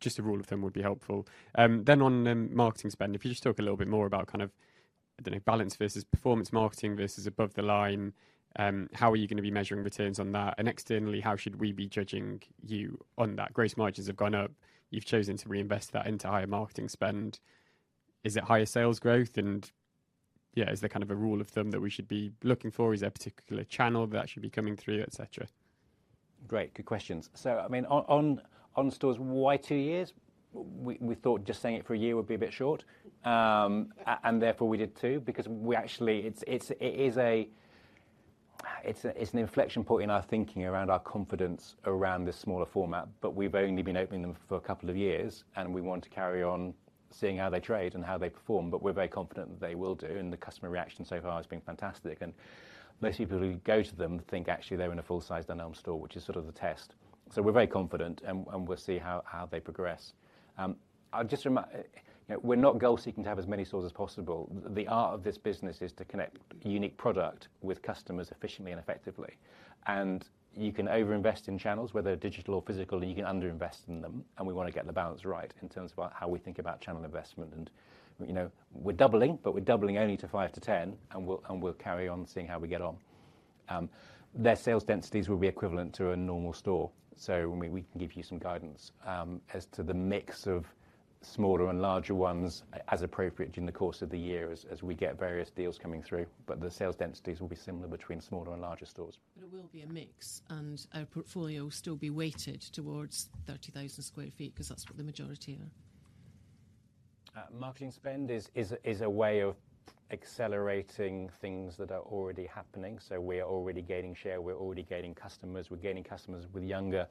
Just a rule of thumb would be helpful. Then on marketing spend, if you just talk a little bit more about kind of the balance versus performance marketing versus above the line, how are you going to be measuring returns on that, and externally, how should we be judging you on that? Gross margins have gone up. You've chosen to reinvest that into higher marketing spend. Is it higher sales growth? And, yeah, is there kind of a rule of thumb that we should be looking for? Is there a particular channel that should be coming through, et cetera? Great, good questions. I mean, on stores, why two years? We thought just saying it for a year would be a bit short, and therefore, we did two, because we actually-- it's, it is a, it's a, it's an inflection point in our thinking around our confidence around this smaller format, but we've only been opening them for a couple of years, and we want to carry on seeing how they trade and how they perform. We're very confident that they will do, and the customer reaction so far has been fantastic. Most people who go to them think actually they're in a full-sized Dunelm store, which is sort of the test. We're very confident, and we'll see how they progress. I'd just remark, you know, we're not goal-seeking to have as many stores as possible. The art of this business is to connect unique product with customers efficiently and effectively. You can overinvest in channels, whether they're digital or physical, you can underinvest in them, and we want to get the balance right in terms of how we think about channel investment. You know, we're doubling, but we're doubling only to five to 10, and we'll carry on seeing how we get on. Their sales densities will be equivalent to a normal store, so we can give you some guidance as to the mix of smaller and larger ones as appropriate during the course of the year, as we get various deals coming through, but the sales densities will be similar between smaller and larger stores. But it will be a mix, and our portfolio will still be weighted towards 30,000 sq ft, because that's what the majority are. Marketing spend is a way of accelerating things that are already happening, so we are already gaining share, we're already gaining customers. We're gaining customers with younger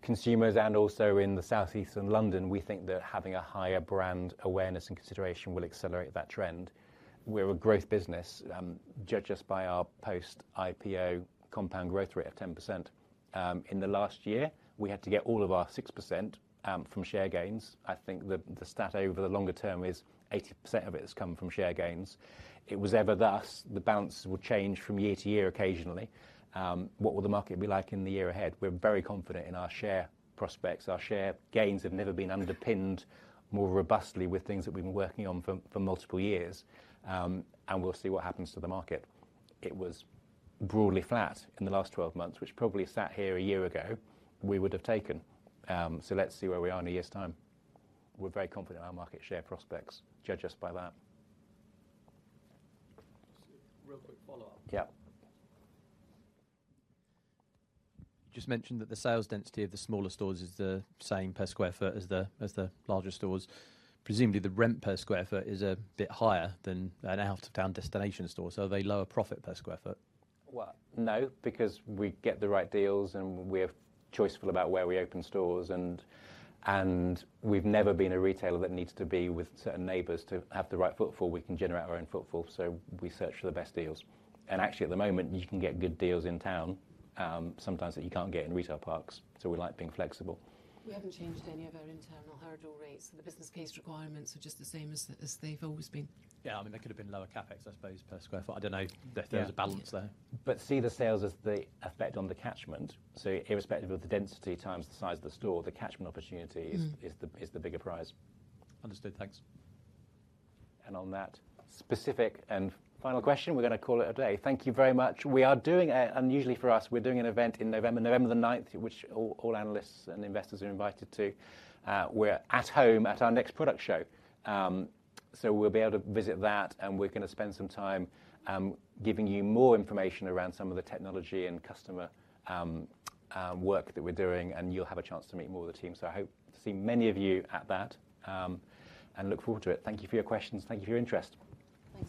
consumers, and also in the South East and London, we think that having a higher brand awareness and consideration will accelerate that trend. We're a growth business, judge us by our post-IPO compound growth rate of 10%. In the last year, we had to get all of our 6%, from share gains. I think the stat over the longer term is 80% of it has come from share gains. It was ever thus. The bounce will change from year-to-year occasionally. What will the market be like in the year ahead? We're very confident in our share prospects. Our share gains have never been underpinned more robustly with things that we've been working on for multiple years. We'll see what happens to the market. It was broadly flat in the last 12 months, which probably sat here a year ago, we would have taken. Let's see where we are in a year's time. We're very confident in our market share prospects. Judge us by that. Just a real quick follow-up. Yeah. You just mentioned that the sales density of the smaller stores is the same per square foot as the larger stores. Presumably, the rent per square foot is a bit higher than an out-of-town destination store, so are they lower profit per square foot? Well, no, because we get the right deals, and we're choiceful about where we open stores, and we've never been a retailer that needs to be with certain neighbors to have the right footfall. We can generate our own footfall, so we search for the best deals. And actually, at the moment, you can get good deals in town, sometimes that you can't get in retail parks, so we like being flexible. We haven't changed any of our internal hurdle rates, so the business case requirements are just the same as they've always been. Yeah, I mean, there could have been lower CapEx, I suppose, per square foot. I don't know- Yeah... if there's a balance there. See the sales as the effect on the catchment. Irrespective of the density times the size of the store, the catchment opportunity- Mm-hmm... is the bigger prize. Understood. Thanks. On that specific and final question, we're going to call it a day. Thank you very much. We are doing—unusually for us, we're doing an event in November. November 9th, which all analysts and investors are invited to. We're at home at our next product show. We'll be able to visit that, and we're going to spend some time giving you more information around some of the technology and customer work that we're doing, and you'll have a chance to meet more of the team. I hope to see many of you at that, and look forward to it. Thank you for your questions. Thank you for your interest. Thank you.